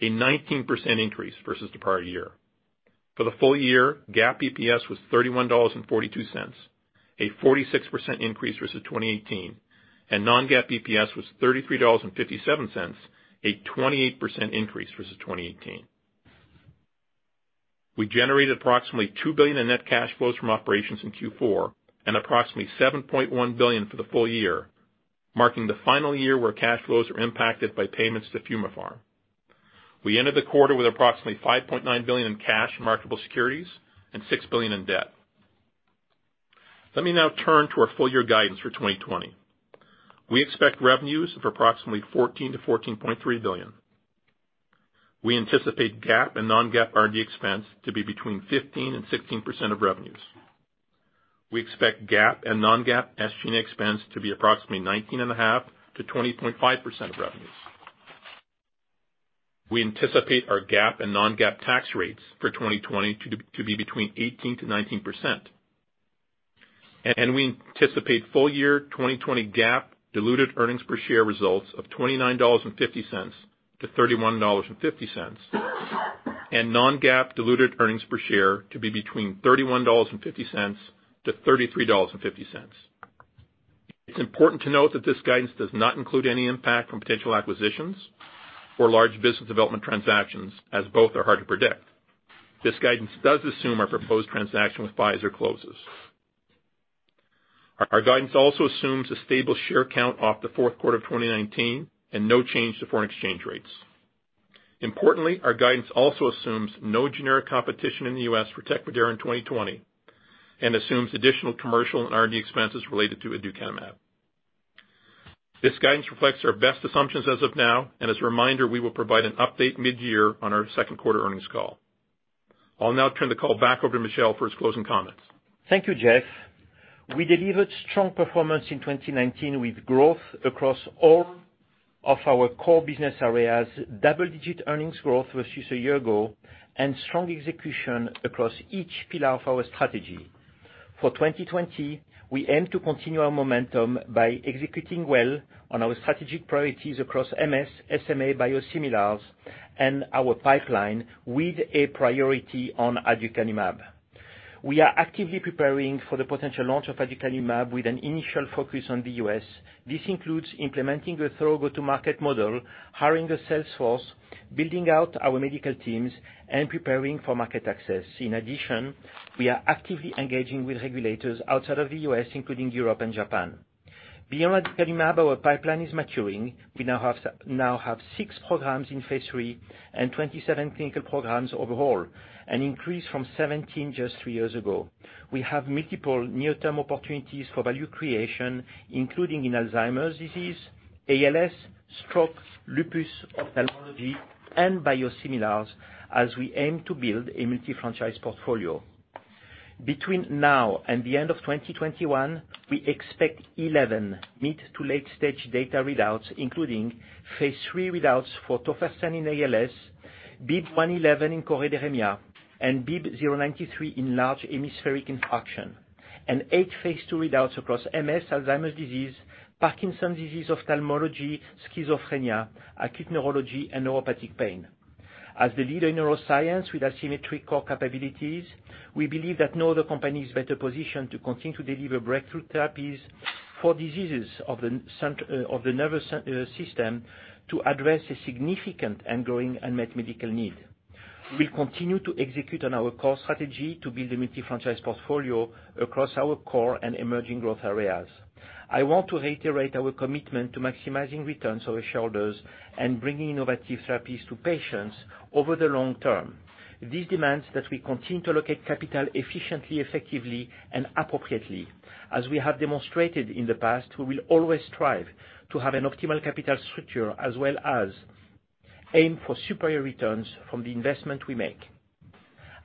a 19% increase versus the prior year. For the full year, GAAP EPS was $31.42, a 46% increase versus 2018, and non-GAAP EPS was $33.57, a 28% increase versus 2018. We generated approximately $2 billion in net cash flows from operations in Q4 and approximately $7.1 billion for the full year, marking the final year where cash flows are impacted by payments to Fumapharm. We ended the quarter with approximately $5.9 billion in cash and marketable securities and $6 billion in debt. Let me now turn to our full year guidance for 2020. We expect revenues of approximately $14 billion-$14.3 billion. We anticipate GAAP and non-GAAP R&D expense to be between 15%-16% of revenues. We expect GAAP and non-GAAP SG&A expense to be approximately 19.5%-20.5% of revenues. We anticipate our GAAP and non-GAAP tax rates for 2020 to be between 18%-19%. We anticipate full year 2020 GAAP diluted earnings per share results of $29.50-$31.50, and non-GAAP diluted earnings per share to be between $31.50-$33.50. It's important to note that this guidance does not include any impact from potential acquisitions or large business development transactions, as both are hard to predict. This guidance does assume our proposed transaction with Pfizer closes. Our guidance also assumes a stable share count off the fourth quarter of 2019 and no change to foreign exchange rates. Our guidance also assumes no generic competition in the U.S. for TECFIDERA in 2020 and assumes additional commercial and R&D expenses related to aducanumab. This guidance reflects our best assumptions as of now, as a reminder, we will provide an update mid-year on our second quarter earnings call. I'll now turn the call back over to Michel for his closing comments. Thank you, Jeff. We delivered strong performance in 2019 with growth across all of our core business areas, double-digit earnings growth versus a year ago, and strong execution across each pillar of our strategy. For 2020, we aim to continue our momentum by executing well on our strategic priorities across MS, SMA, biosimilars, and our pipeline with a priority on aducanumab. We are actively preparing for the potential launch of aducanumab with an initial focus on the U.S. This includes implementing a thorough go-to-market model, hiring a sales force, building out our medical teams, and preparing for market access. In addition, we are actively engaging with regulators outside of the U.S., including Europe and Japan. Beyond aducanumab, our pipeline is maturing. We now have six programs in phase III and 27 clinical programs overall, an increase from 17 just three years ago. We have multiple near-term opportunities for value creation, including in Alzheimer's disease, ALS, stroke, lupus, ophthalmology, and biosimilars as we aim to build a multi-franchise portfolio. Between now and the end of 2021, we expect 11 mid to late-stage data readouts, including phase III readouts for tofersen in ALS, BIIB111 in choroideremia, and BIIB093 in large hemispheric infarction, and eight phase II readouts across MS, Alzheimer's disease, Parkinson's disease, ophthalmology, schizophrenia, acute neurology, and neuropathic pain. As the leader in neuroscience with asymmetric core capabilities, we believe that no other company is better positioned to continue to deliver breakthrough therapies for diseases of the nervous system to address a significant and growing unmet medical need. We'll continue to execute on our core strategy to build a multi-franchise portfolio across our core and emerging growth areas. I want to reiterate our commitment to maximizing returns to our shareholders and bringing innovative therapies to patients over the long term. This demands that we continue to locate capital efficiently, effectively, and appropriately. As we have demonstrated in the past, we will always strive to have an optimal capital structure as well as aim for superior returns from the investment we make.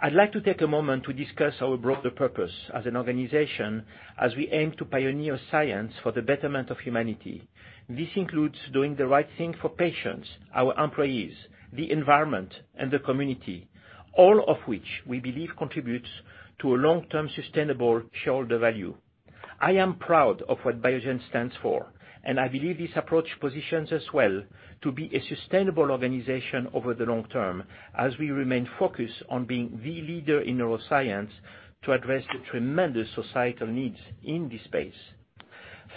I'd like to take a moment to discuss our broader purpose as an organization as we aim to pioneer science for the betterment of humanity. This includes doing the right thing for patients, our employees, the environment, and the community, all of which we believe contributes to a long-term sustainable shareholder value. I am proud of what Biogen stands for, and I believe this approach positions us well to be a sustainable organization over the long term as we remain focused on being the leader in neuroscience to address the tremendous societal needs in this space.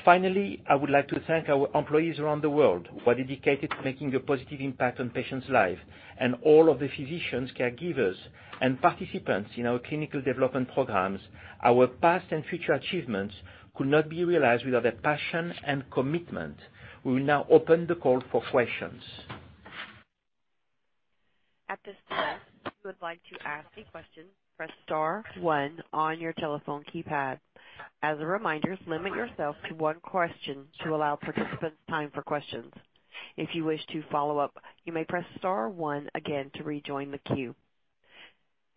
Finally, I would like to thank our employees around the world who are dedicated to making a positive impact on patients' lives and all of the physicians, caregivers, and participants in our clinical development programs. Our past and future achievements could not be realized without their passion and commitment. We will now open the call for questions. At this time, if you would like to ask a question, press star one on your telephone keypad. As a reminder, limit yourself to one question to allow participants time for questions. If you wish to follow up, you may press star one again to rejoin the queue.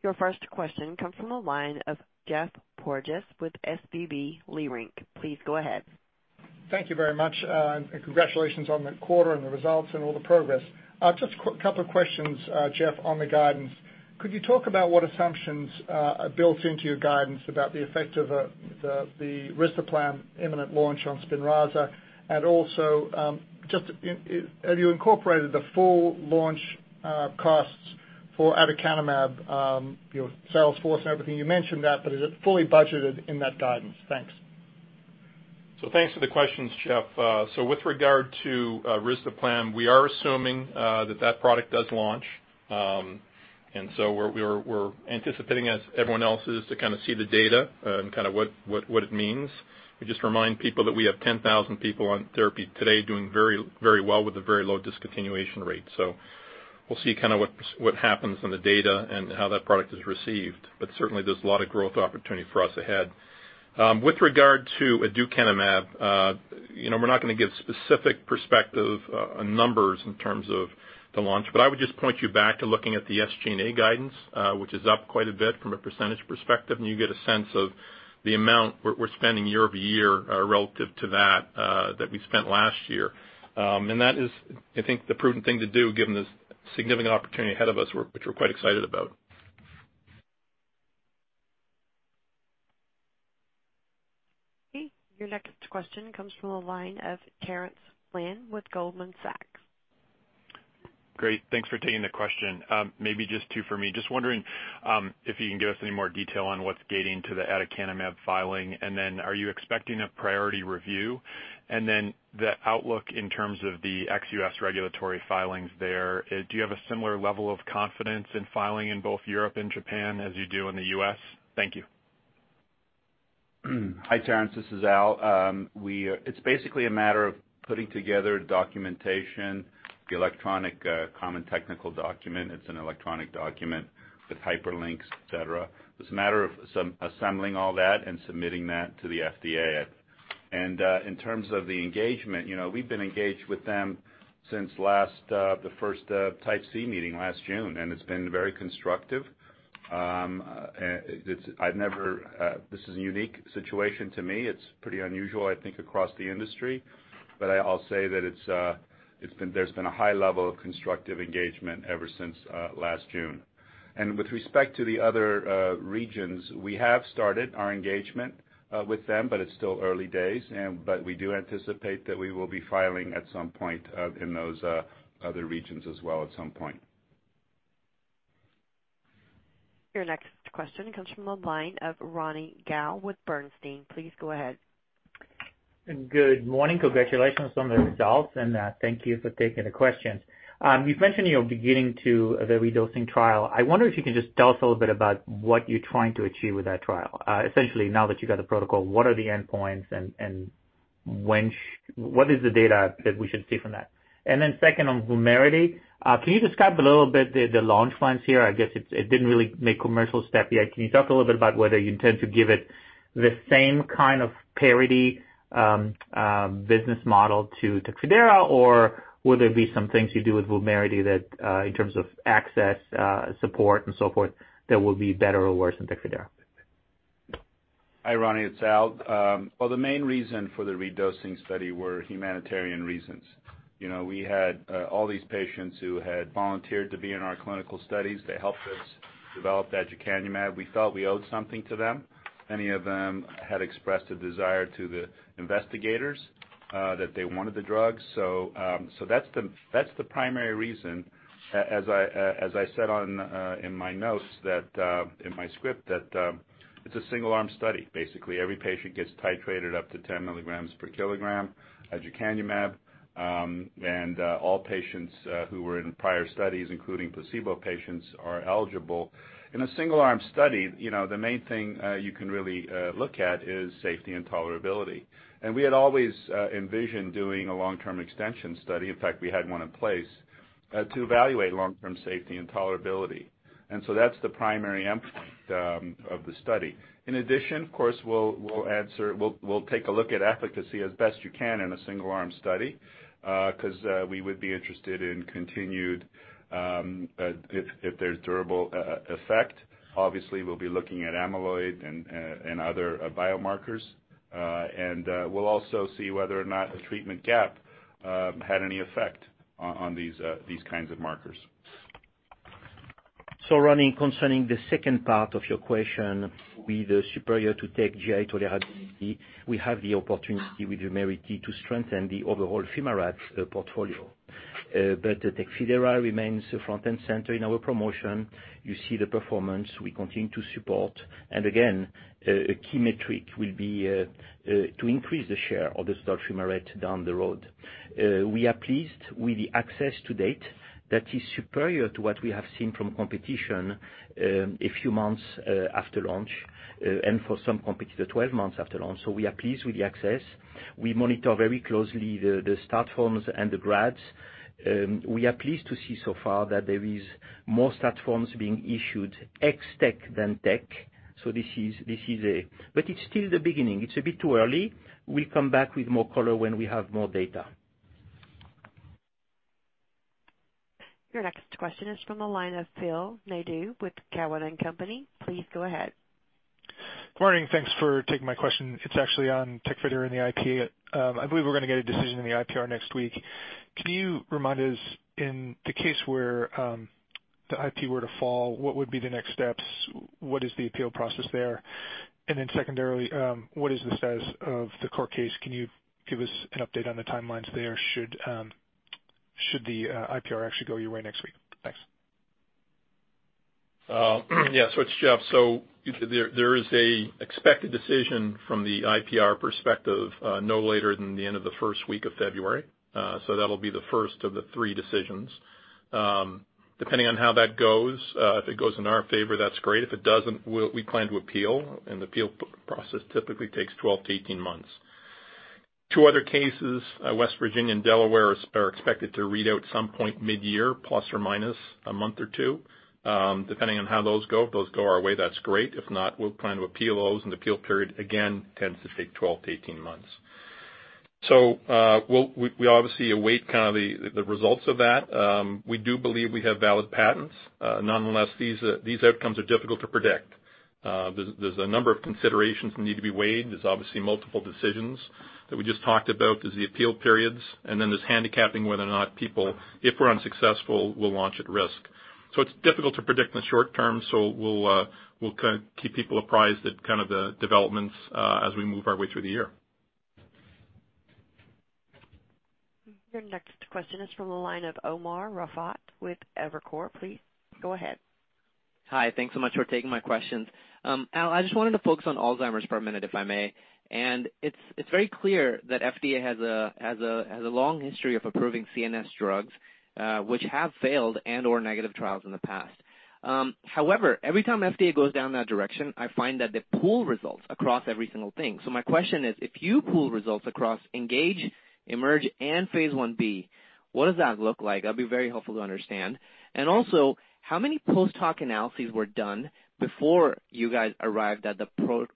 Your first question comes from the line of Geoff Porges with SVB Leerink. Please go ahead. Thank you very much. Congratulations on the quarter and the results and all the progress. Just a couple of questions, Jeff, on the guidance. Could you talk about what assumptions are built into your guidance about the effect of the risdiplam imminent launch on SPINRAZA, and also, have you incorporated the full launch costs for aducanumab, your sales force and everything? You mentioned that, is it fully budgeted in that guidance? Thanks. Thanks for the questions, Jeff. With regard to risdiplam, we are assuming that product does launch. We're anticipating, as everyone else is, to see the data and what it means. We just remind people that we have 10,000 people on therapy today doing very well with a very low discontinuation rate. We'll see what happens in the data and how that product is received. Certainly, there's a lot of growth opportunity for us ahead. With regard to aducanumab, we're not going to give specific perspective on numbers in terms of the launch. I would just point you back to looking at the SG&A guidance, which is up quite a bit from a percentage perspective, and you get a sense of the amount we're spending year-over-year relative to that we spent last year. That is, I think, the prudent thing to do given the significant opportunity ahead of us, which we're quite excited about. Okay. Your next question comes from the line of Terence Flynn with Goldman Sachs. Great. Thanks for taking the question. Maybe just two for me. Just wondering if you can give us any more detail on what's gating to the aducanumab filing. Are you expecting a priority review? The outlook in terms of the ex-US regulatory filings there, do you have a similar level of confidence in filing in both Europe and Japan as you do in the US? Thank you. Hi, Terence. This is Al. It's basically a matter of putting together documentation, the Electronic Common Technical Document. It's an electronic document with hyperlinks, et cetera. It's a matter of assembling all that and submitting that to the FDA. In terms of the engagement, we've been engaged with them since the first Type C meeting last June, and it's been very constructive. This is a unique situation to me. It's pretty unusual, I think, across the industry. I'll say that there's been a high level of constructive engagement ever since last June. With respect to the other regions, we have started our engagement with them, but it's still early days. We do anticipate that we will be filing at some point in those other regions as well at some point. Your next question comes from the line of Ronny Gal with Bernstein. Please go ahead. Good morning. Congratulations on the results. Thank you for taking the question. You've mentioned you're beginning the redosing trial. I wonder if you can just tell us a little bit about what you're trying to achieve with that trial. Essentially, now that you got the protocol, what are the endpoints and what is the data that we should see from that? Second, on VUMERITY, can you describe a little bit the launch plans here? I guess it didn't really make commercial step yet. Can you talk a little bit about whether you intend to give it the same kind of parity business model to TECFIDERA, or will there be some things you do with VUMERITY that, in terms of access, support, and so forth, that will be better or worse than TECFIDERA? Hi, Ronny. It's Al. The main reason for the redosing study were humanitarian reasons. We had all these patients who had volunteered to be in our clinical studies. They helped us develop aducanumab. We felt we owed something to them. Many of them had expressed a desire to the investigators that they wanted the drug. That's the primary reason. As I said in my notes, in my script, that it's a single-arm study. Basically, every patient gets titrated up to 10 milligrams per kilogram aducanumab, and all patients who were in prior studies, including placebo patients, are eligible. In a single-arm study, the main thing you can really look at is safety and tolerability. We had always envisioned doing a long-term extension study. In fact, we had one in place to evaluate long-term safety and tolerability. That's the primary endpoint of the study. In addition, of course, we'll take a look at efficacy as best you can in a single-arm study, because we would be interested in continued if there's durable effect. Obviously, we'll be looking at amyloid and other biomarkers. We'll also see whether or not a treatment gap had any effect on these kinds of markers. Ronny, concerning the second part of your question, with the superior-to-TECFIDERA GI tolerability, we have the opportunity with VUMERITY to strengthen the overall fumarate portfolio. TECFIDERA remains front and center in our promotion. You see the performance we continue to support, and again, a key metric will be to increase the share of the fumarate down the road. We are pleased with the access to date that is superior to what we have seen from competition, a few months after launch, and for some competitors, 12 months after launch. We are pleased with the access. We monitor very closely the start forms and the grads. We are pleased to see so far that there is more stat forms being issued ex TECFIDERA than TECFIDERA. It's still the beginning. It's a bit too early. We'll come back with more color when we have more data. Your next question is from the line of Phil Nadeau with Cowen and Company. Please go ahead. Morning. Thanks for taking my question. It's actually on TECFIDERA and the IPR. I believe we're going to get a decision in the IPR next week. Can you remind us, in the case where the IP were to fall, what would be the next steps? What is the appeal process there? Secondarily, what is the status of the court case? Can you give us an update on the timelines there should the IPR actually go your way next week? Thanks. It's Jeff. There is an expected decision from the IPR perspective, no later than the end of the first week of February. That'll be the first of the three decisions. Depending on how that goes, if it goes in our favor, that's great. If it doesn't, we plan to appeal, and the appeal process typically takes 12-18 months. Two other cases, West Virginia and Delaware, are expected to read out some point mid-year, plus or minus a month or two. Depending on how those go. If those go our way, that's great. If not, we'll plan to appeal those, and the appeal period, again, tends to take 12-18 months. We obviously await the results of that. We do believe we have valid patents. Nonetheless, these outcomes are difficult to predict. There's a number of considerations that need to be weighed. There's obviously multiple decisions that we just talked about. There's the appeal periods, and then there's handicapping whether or not people, if we're unsuccessful, will launch at risk. It's difficult to predict in the short term. We'll keep people apprised at the developments as we move our way through the year. Your next question is from the line of Umer Raffat with Evercore. Please go ahead. Hi. Thanks so much for taking my questions. Al, I just wanted to focus on Alzheimer's for a minute, if I may. It's very clear that FDA has a long history of approving CNS drugs, which have failed and/or negative trials in the past. However, every time FDA goes down that direction, I find that they pool results across every single thing. My question is, if you pool results across ENGAGE, EMERGE, and phase I-B, what does that look like? That'd be very helpful to understand. Also, how many post-hoc analyses were done before you guys arrived at the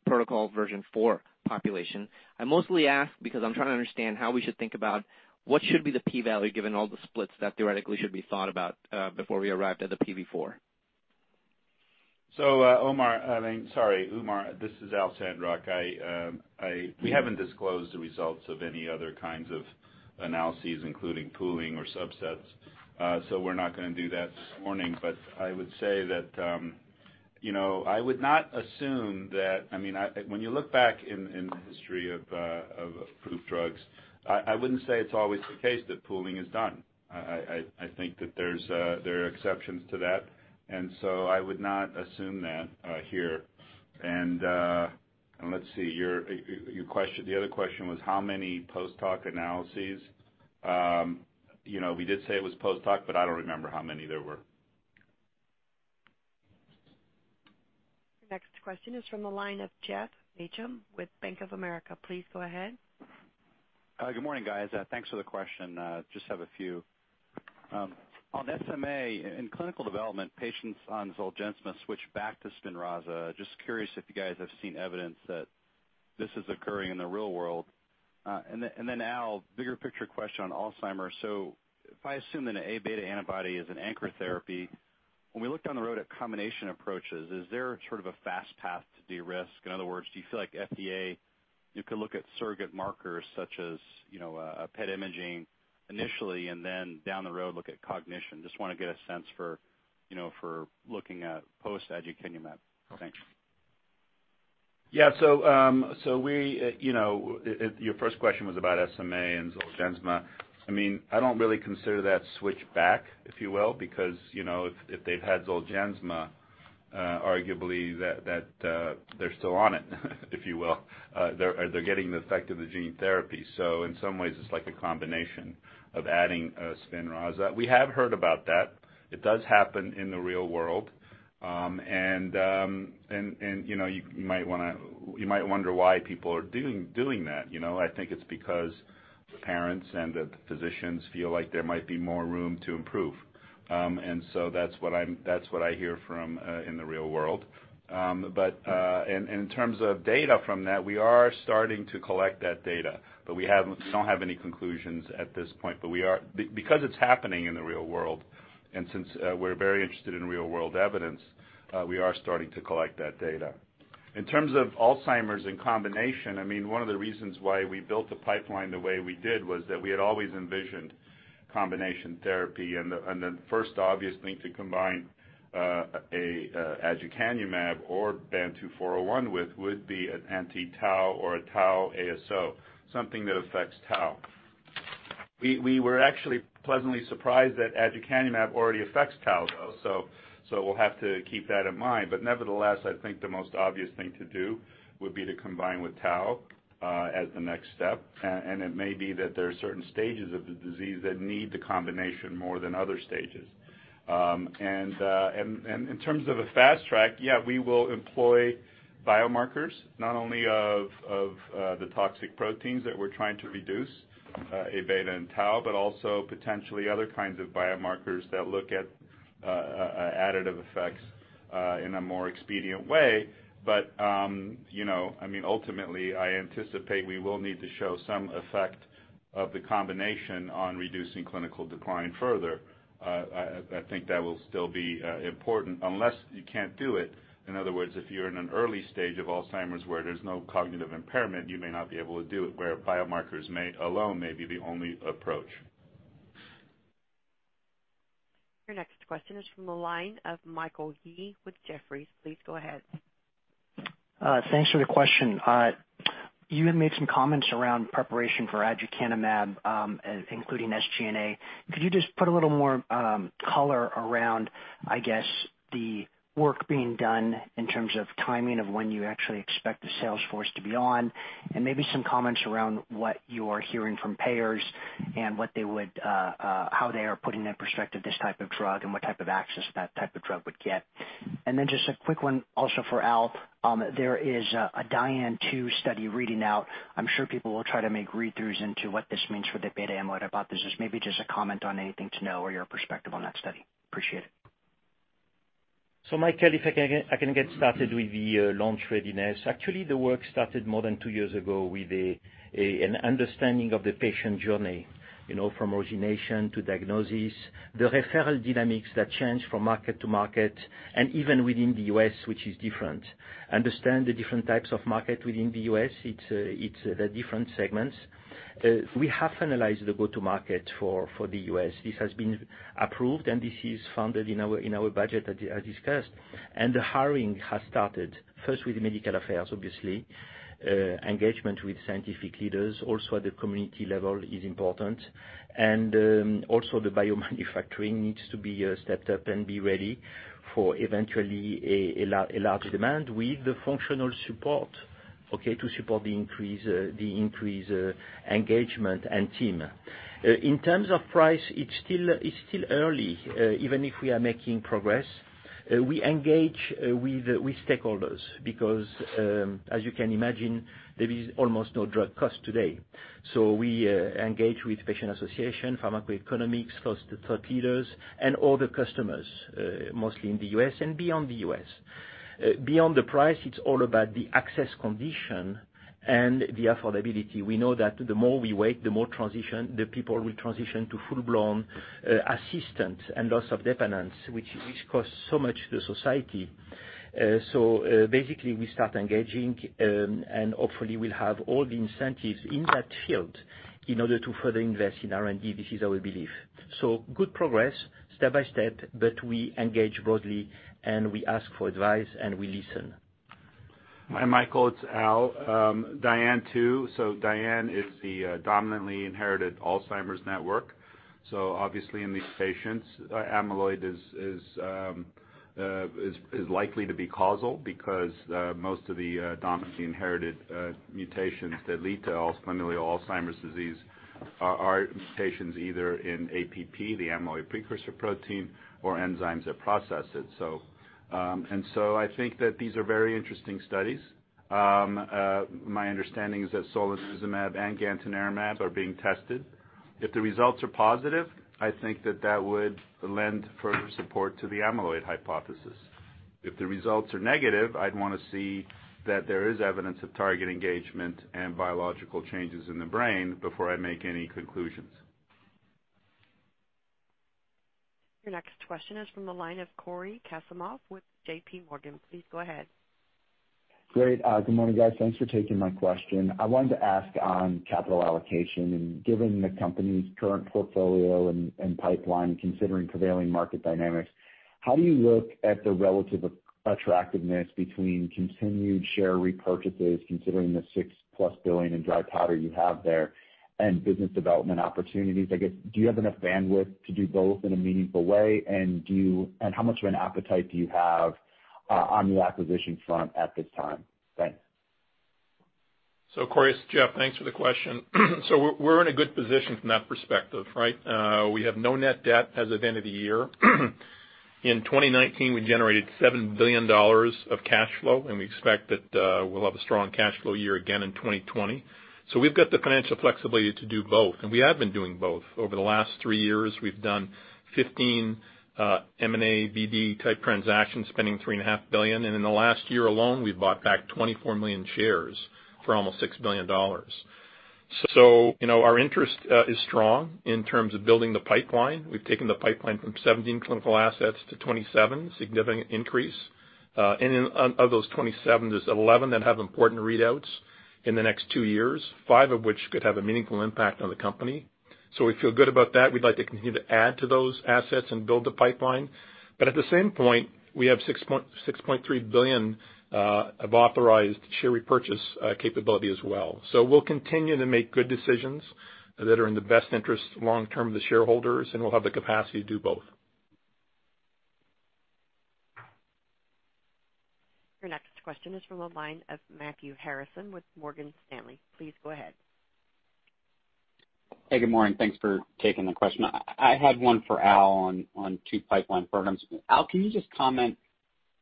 protocol version 4 population? I mostly ask because I'm trying to understand how we should think about what should be the P value, given all the splits that theoretically should be thought about, before we arrived at the PV4. Umer, this is Al Sandrock. We haven't disclosed the results of any other kinds of analyses, including pooling or subsets. We're not going to do that this morning, but I would say that I would not assume that when you look back in the history of approved drugs, I wouldn't say it's always the case that pooling is done. I think that there are exceptions to that, I would not assume that here. Let's see. The other question was how many post-hoc analyses? We did say it was post-hoc, but I don't remember how many there were. Next question is from the line of Geoff Meacham with Bank of America. Please go ahead. Good morning, guys. Thanks for the question. Just have a few. On SMA, in clinical development, patients on ZOLGENSMA switch back to SPINRAZA. Just curious if you guys have seen evidence that this is occurring in the real world. Al, bigger picture question on Alzheimer's. If I assume that an Aβ antibody is an anchor therapy, when we look down the road at combination approaches, is there sort of a fast path to de-risk? In other words, do you feel like FDA, you could look at surrogate markers such as a PET imaging initially, and then down the road look at cognition? Just want to get a sense for looking at post-aducanumab. Thanks. Yeah. Your first question was about SMA and ZOLGENSMA. I don't really consider that switch back, if you will, because if they've had ZOLGENSMA, arguably, that they're still on it, if you will. They're getting the effect of the gene therapy. In some ways, it's like a combination of adding SPINRAZA. We have heard about that. It does happen in the real world. You might wonder why people are doing that. I think it's because the parents and the physicians feel like there might be more room to improve. That's what I hear from in the real world. In terms of data from that, we are starting to collect that data, but we don't have any conclusions at this point. It's happening in the real world, and since we're very interested in real-world evidence, we are starting to collect that data. In terms of Alzheimer's in combination, one of the reasons why we built the pipeline the way we did was that we had always envisioned combination therapy. The first obvious thing to combine aducanumab or BAN2401 with would be an anti-tau or a tau ASO, something that affects tau. We were actually pleasantly surprised that aducanumab already affects tau, though. We'll have to keep that in mind. Nevertheless, I think the most obvious thing to do would be to combine with tau as the next step. It may be that there are certain stages of the disease that need the combination more than other stages. In terms of a fast track, yeah, we will employ biomarkers, not only of the toxic proteins that we're trying to reduce, Aβ and tau, but also potentially other kinds of biomarkers that look at additive effects in a more expedient way. Ultimately, I anticipate we will need to show some effect of the combination on reducing clinical decline further. I think that will still be important, unless you can't do it. In other words, if you're in an early stage of Alzheimer's where there's no cognitive impairment, you may not be able to do it, where biomarkers alone may be the only approach. Your next question is from the line of Michael Yee with Jefferies. Please go ahead. Thanks for the question. You had made some comments around preparation for aducanumab, including SG&A. Could you just put a little more color around, I guess, the work being done in terms of timing of when you actually expect the sales force to be on? Maybe some comments around what you are hearing from payers and how they are putting in perspective this type of drug and what type of access that type of drug would get. Just a quick one also for Al. There is a DIAN-TU study reading out. I'm sure people will try to make read-throughs into what this means for the beta amyloid hypothesis. Just a comment on anything to know or your perspective on that study. Appreciate it. Michael, if I can get started with the launch readiness. Actually, the work started more than 2 years ago with an understanding of the patient journey from origination to diagnosis. The referral dynamics that change from market to market and even within the U.S., which is different. Understand the different types of market within the U.S. It's the different segments. We have analyzed the go-to market for the U.S. This has been approved, and this is funded in our budget as discussed. The hiring has started, first with medical affairs, obviously. Engagement with scientific leaders also at the community level is important. Also the biomanufacturing needs to be stepped up and be ready for eventually a large demand with the functional support to support the increased engagement and team. In terms of price, it's still early even if we are making progress. We engage with stakeholders because, as you can imagine, there is almost no drug cost today. We engage with patient association, pharmacoeconomics, thought leaders, and all the customers, mostly in the U.S. and beyond the U.S. Beyond the price, it's all about the access condition and the affordability. We know that the more we wait, the more the people will transition to full-blown assistance and loss of dependence, which costs so much to society. Basically, we start engaging, and hopefully, we'll have all the incentives in that field in order to further invest in R&D. This is our belief. Good progress step by step, but we engage broadly, and we ask for advice, and we listen. Hi, Michael, it's Al. DIAN-TU. DIAN is the Dominantly Inherited Alzheimer Network. Obviously, in these patients, amyloid is likely to be causal because most of the dominantly inherited mutations that lead to familial Alzheimer's disease are mutations either in APP, the amyloid precursor protein, or enzymes that process it. I think that these are very interesting studies. My understanding is that solanezumab and gantenerumab are being tested. If the results are positive, I think that that would lend further support to the amyloid hypothesis. If the results are negative, I'd want to see that there is evidence of target engagement and biological changes in the brain before I make any conclusions. Your next question is from the line of Cory Kasimov with JPMorgan. Please go ahead. Great. Good morning, guys. Thanks for taking my question. I wanted to ask on capital allocation. Given the company's current portfolio and pipeline, considering prevailing market dynamics, how do you look at the relative attractiveness between continued share repurchases, considering the $6 billion+ in dry powder you have there, and business development opportunities? I guess, do you have enough bandwidth to do both in a meaningful way? How much of an appetite do you have on the acquisition front at this time? Thanks. Cory, it's Jeff. Thanks for the question. We're in a good position from that perspective, right? We have no net debt as of the end of the year. In 2019, we generated $7 billion of cash flow, and we expect that we'll have a strong cash flow year again in 2020. We've got the financial flexibility to do both, and we have been doing both. Over the last three years, we've done 15 M&A, BD-type transactions, spending $3.5 billion. In the last year alone, we've bought back 24 million shares for almost $6 billion. Our interest is strong in terms of building the pipeline. We've taken the pipeline from 17 clinical assets to 27, significant increase. Of those 27, there's 11 that have important readouts in the next two years, five of which could have a meaningful impact on the company. We feel good about that. We'd like to continue to add to those assets and build the pipeline. At the same point, we have $6.3 billion of authorized share repurchase capability as well. We'll continue to make good decisions that are in the best interest long-term of the shareholders, and we'll have the capacity to do both. Your next question is from the line of Matthew Harrison with Morgan Stanley. Please go ahead. Hey, good morning. Thanks for taking the question. I had one for Al on two pipeline programs. Al, can you just comment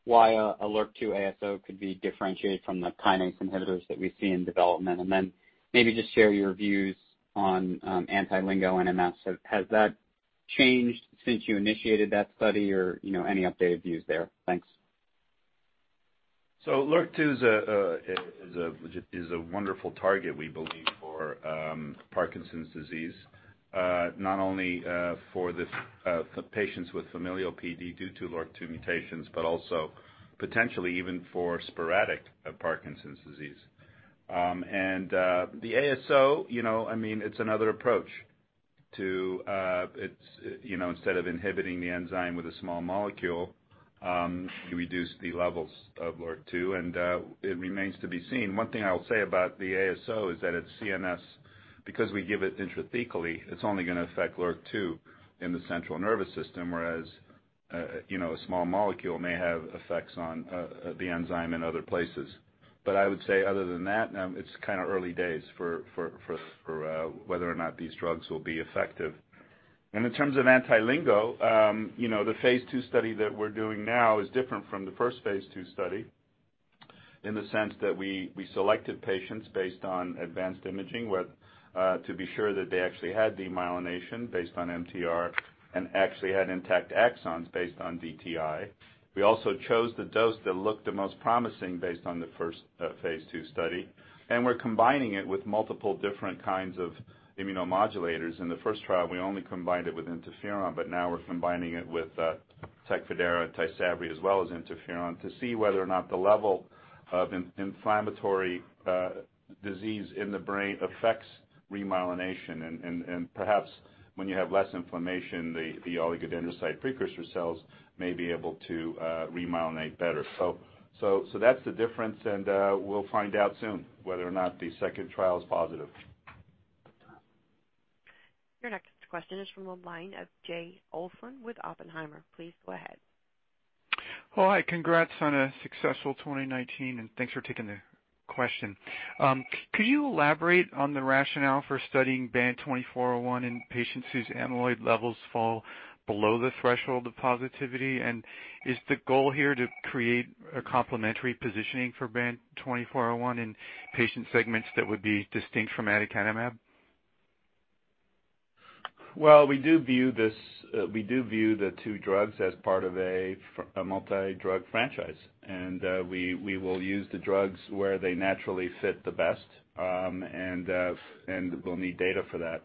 why a LRRK2 ASO could be differentiated from the kinase inhibitors that we see in development? Maybe just share your views on anti-LINGO-1 in MS. Has that changed since you initiated that study or any updated views there? Thanks. LRRK2 is a wonderful target, we believe, for Parkinson's disease. Not only for patients with familial PD due to LRRK2 mutations, but also potentially even for sporadic Parkinson's disease. The ASO, it's another approach. Instead of inhibiting the enzyme with a small molecule, you reduce the levels of LRRK2, and it remains to be seen. One thing I will say about the ASO is that at CNS, because we give it intrathecally, it's only going to affect LRRK2 in the central nervous system, whereas a small molecule may have effects on the enzyme in other places. I would say other than that, it's kind of early days for whether or not these drugs will be effective. In terms of anti-LINGO-1, the phase II study that we're doing now is different from the first phase II study in the sense that we selected patients based on advanced imaging to be sure that they actually had demyelination based on MTR and actually had intact axons based on DTI. We also chose the dose that looked the most promising based on the first phase II study, and we're combining it with multiple different kinds of immunomodulators. In the first trial, we only combined it with interferon, but now we're combining it with TECFIDERA and TYSABRI, as well as interferon, to see whether or not the level of inflammatory disease in the brain affects remyelination. Perhaps when you have less inflammation, the oligodendrocyte precursor cells may be able to remyelinate better. That's the difference, and we'll find out soon whether or not the second trial is positive. Your next question is from the line of Jay Olson with Oppenheimer. Please go ahead. Hi. Congrats on a successful 2019, thanks for taking the question. Could you elaborate on the rationale for studying BAN2401 in patients whose amyloid levels fall below the threshold of positivity? Is the goal here to create a complementary positioning for BAN2401 in patient segments that would be distinct from aducanumab? We do view the two drugs as part of a multi-drug franchise, and we will use the drugs where they naturally fit the best, and we'll need data for that.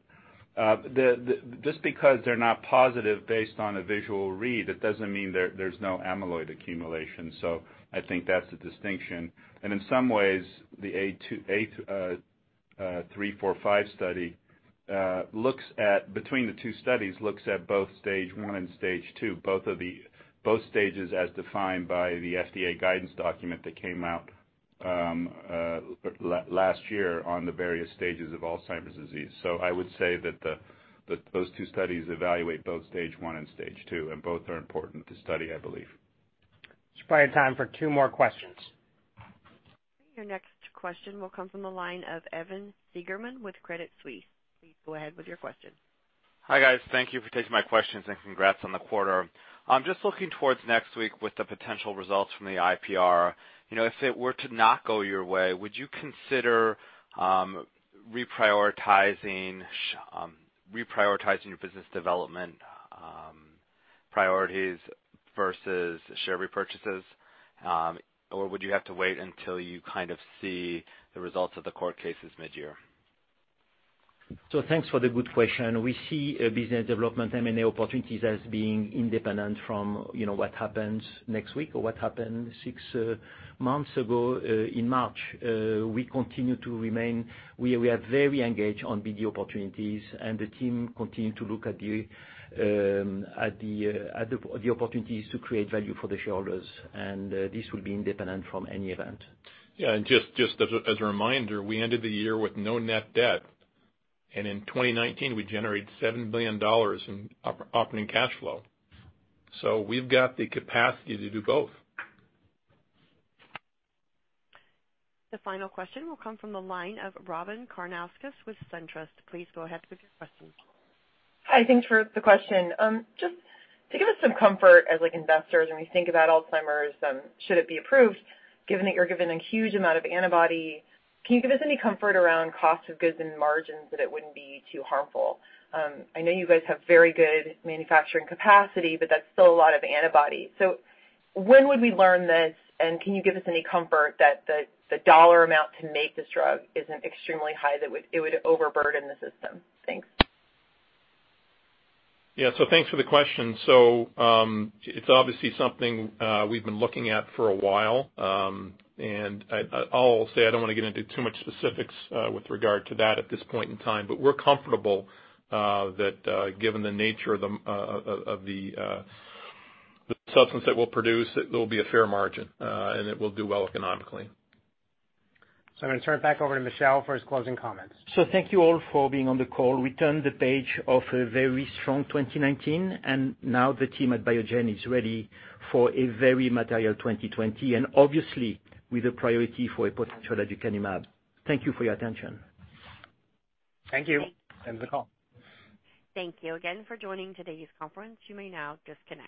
Just because they're not positive based on a visual read, it doesn't mean there's no amyloid accumulation. I think that's the distinction. In some ways, the AHEAD 3-45 study, between the two studies, looks at both stage 1 and stage 2, both stages as defined by the FDA guidance document that came out last year on the various stages of Alzheimer's disease. I would say that those two studies evaluate both stage 1 and stage 2, and both are important to study, I believe. There should be enough time for two more questions. Your next question will come from the line of Evan Seigerman with Credit Suisse. Please go ahead with your question. Hi, guys. Thank you for taking my questions and congrats on the quarter. Looking towards next week with the potential results from the IPR. If it were to not go your way, would you consider reprioritizing your business development priorities versus share repurchases? Would you have to wait until you kind of see the results of the court cases mid-year? Thanks for the good question. We see business development M&A opportunities as being independent from what happens next week or what happened six months ago in March. We are very engaged on BD opportunities, and the team continue to look at the opportunities to create value for the shareholders, and this will be independent from any event. Just as a reminder, we ended the year with no net debt, and in 2019, we generated $7 billion in operating cash flow. We've got the capacity to do both. The final question will come from the line of Robyn Karnauskas with SunTrust. Please go ahead with your question. Hi, thanks for the question. Just to give us some comfort as investors, when we think about Alzheimer's, should it be approved, given that you're given a huge amount of antibody, can you give us any comfort around cost of goods and margins that it wouldn't be too harmful? I know you guys have very good manufacturing capacity, but that's still a lot of antibody. When would we learn this, and can you give us any comfort that the dollar amount to make this drug isn't extremely high that it would overburden the system? Thanks. Thanks for the question. It's obviously something we've been looking at for a while. I'll say I don't want to get into too much specifics with regard to that at this point in time. We're comfortable that given the nature of the substance that we'll produce, it will be a fair margin, and it will do well economically. I'm going to turn it back over to Michel for his closing comments. Thank you all for being on the call. We turned the page of a very strong 2019, and now the team at Biogen is ready for a very material 2020, and obviously with a priority for a potential aducanumab. Thank you for your attention. Thank you. End the call. Thank you again for joining today's conference. You may now disconnect.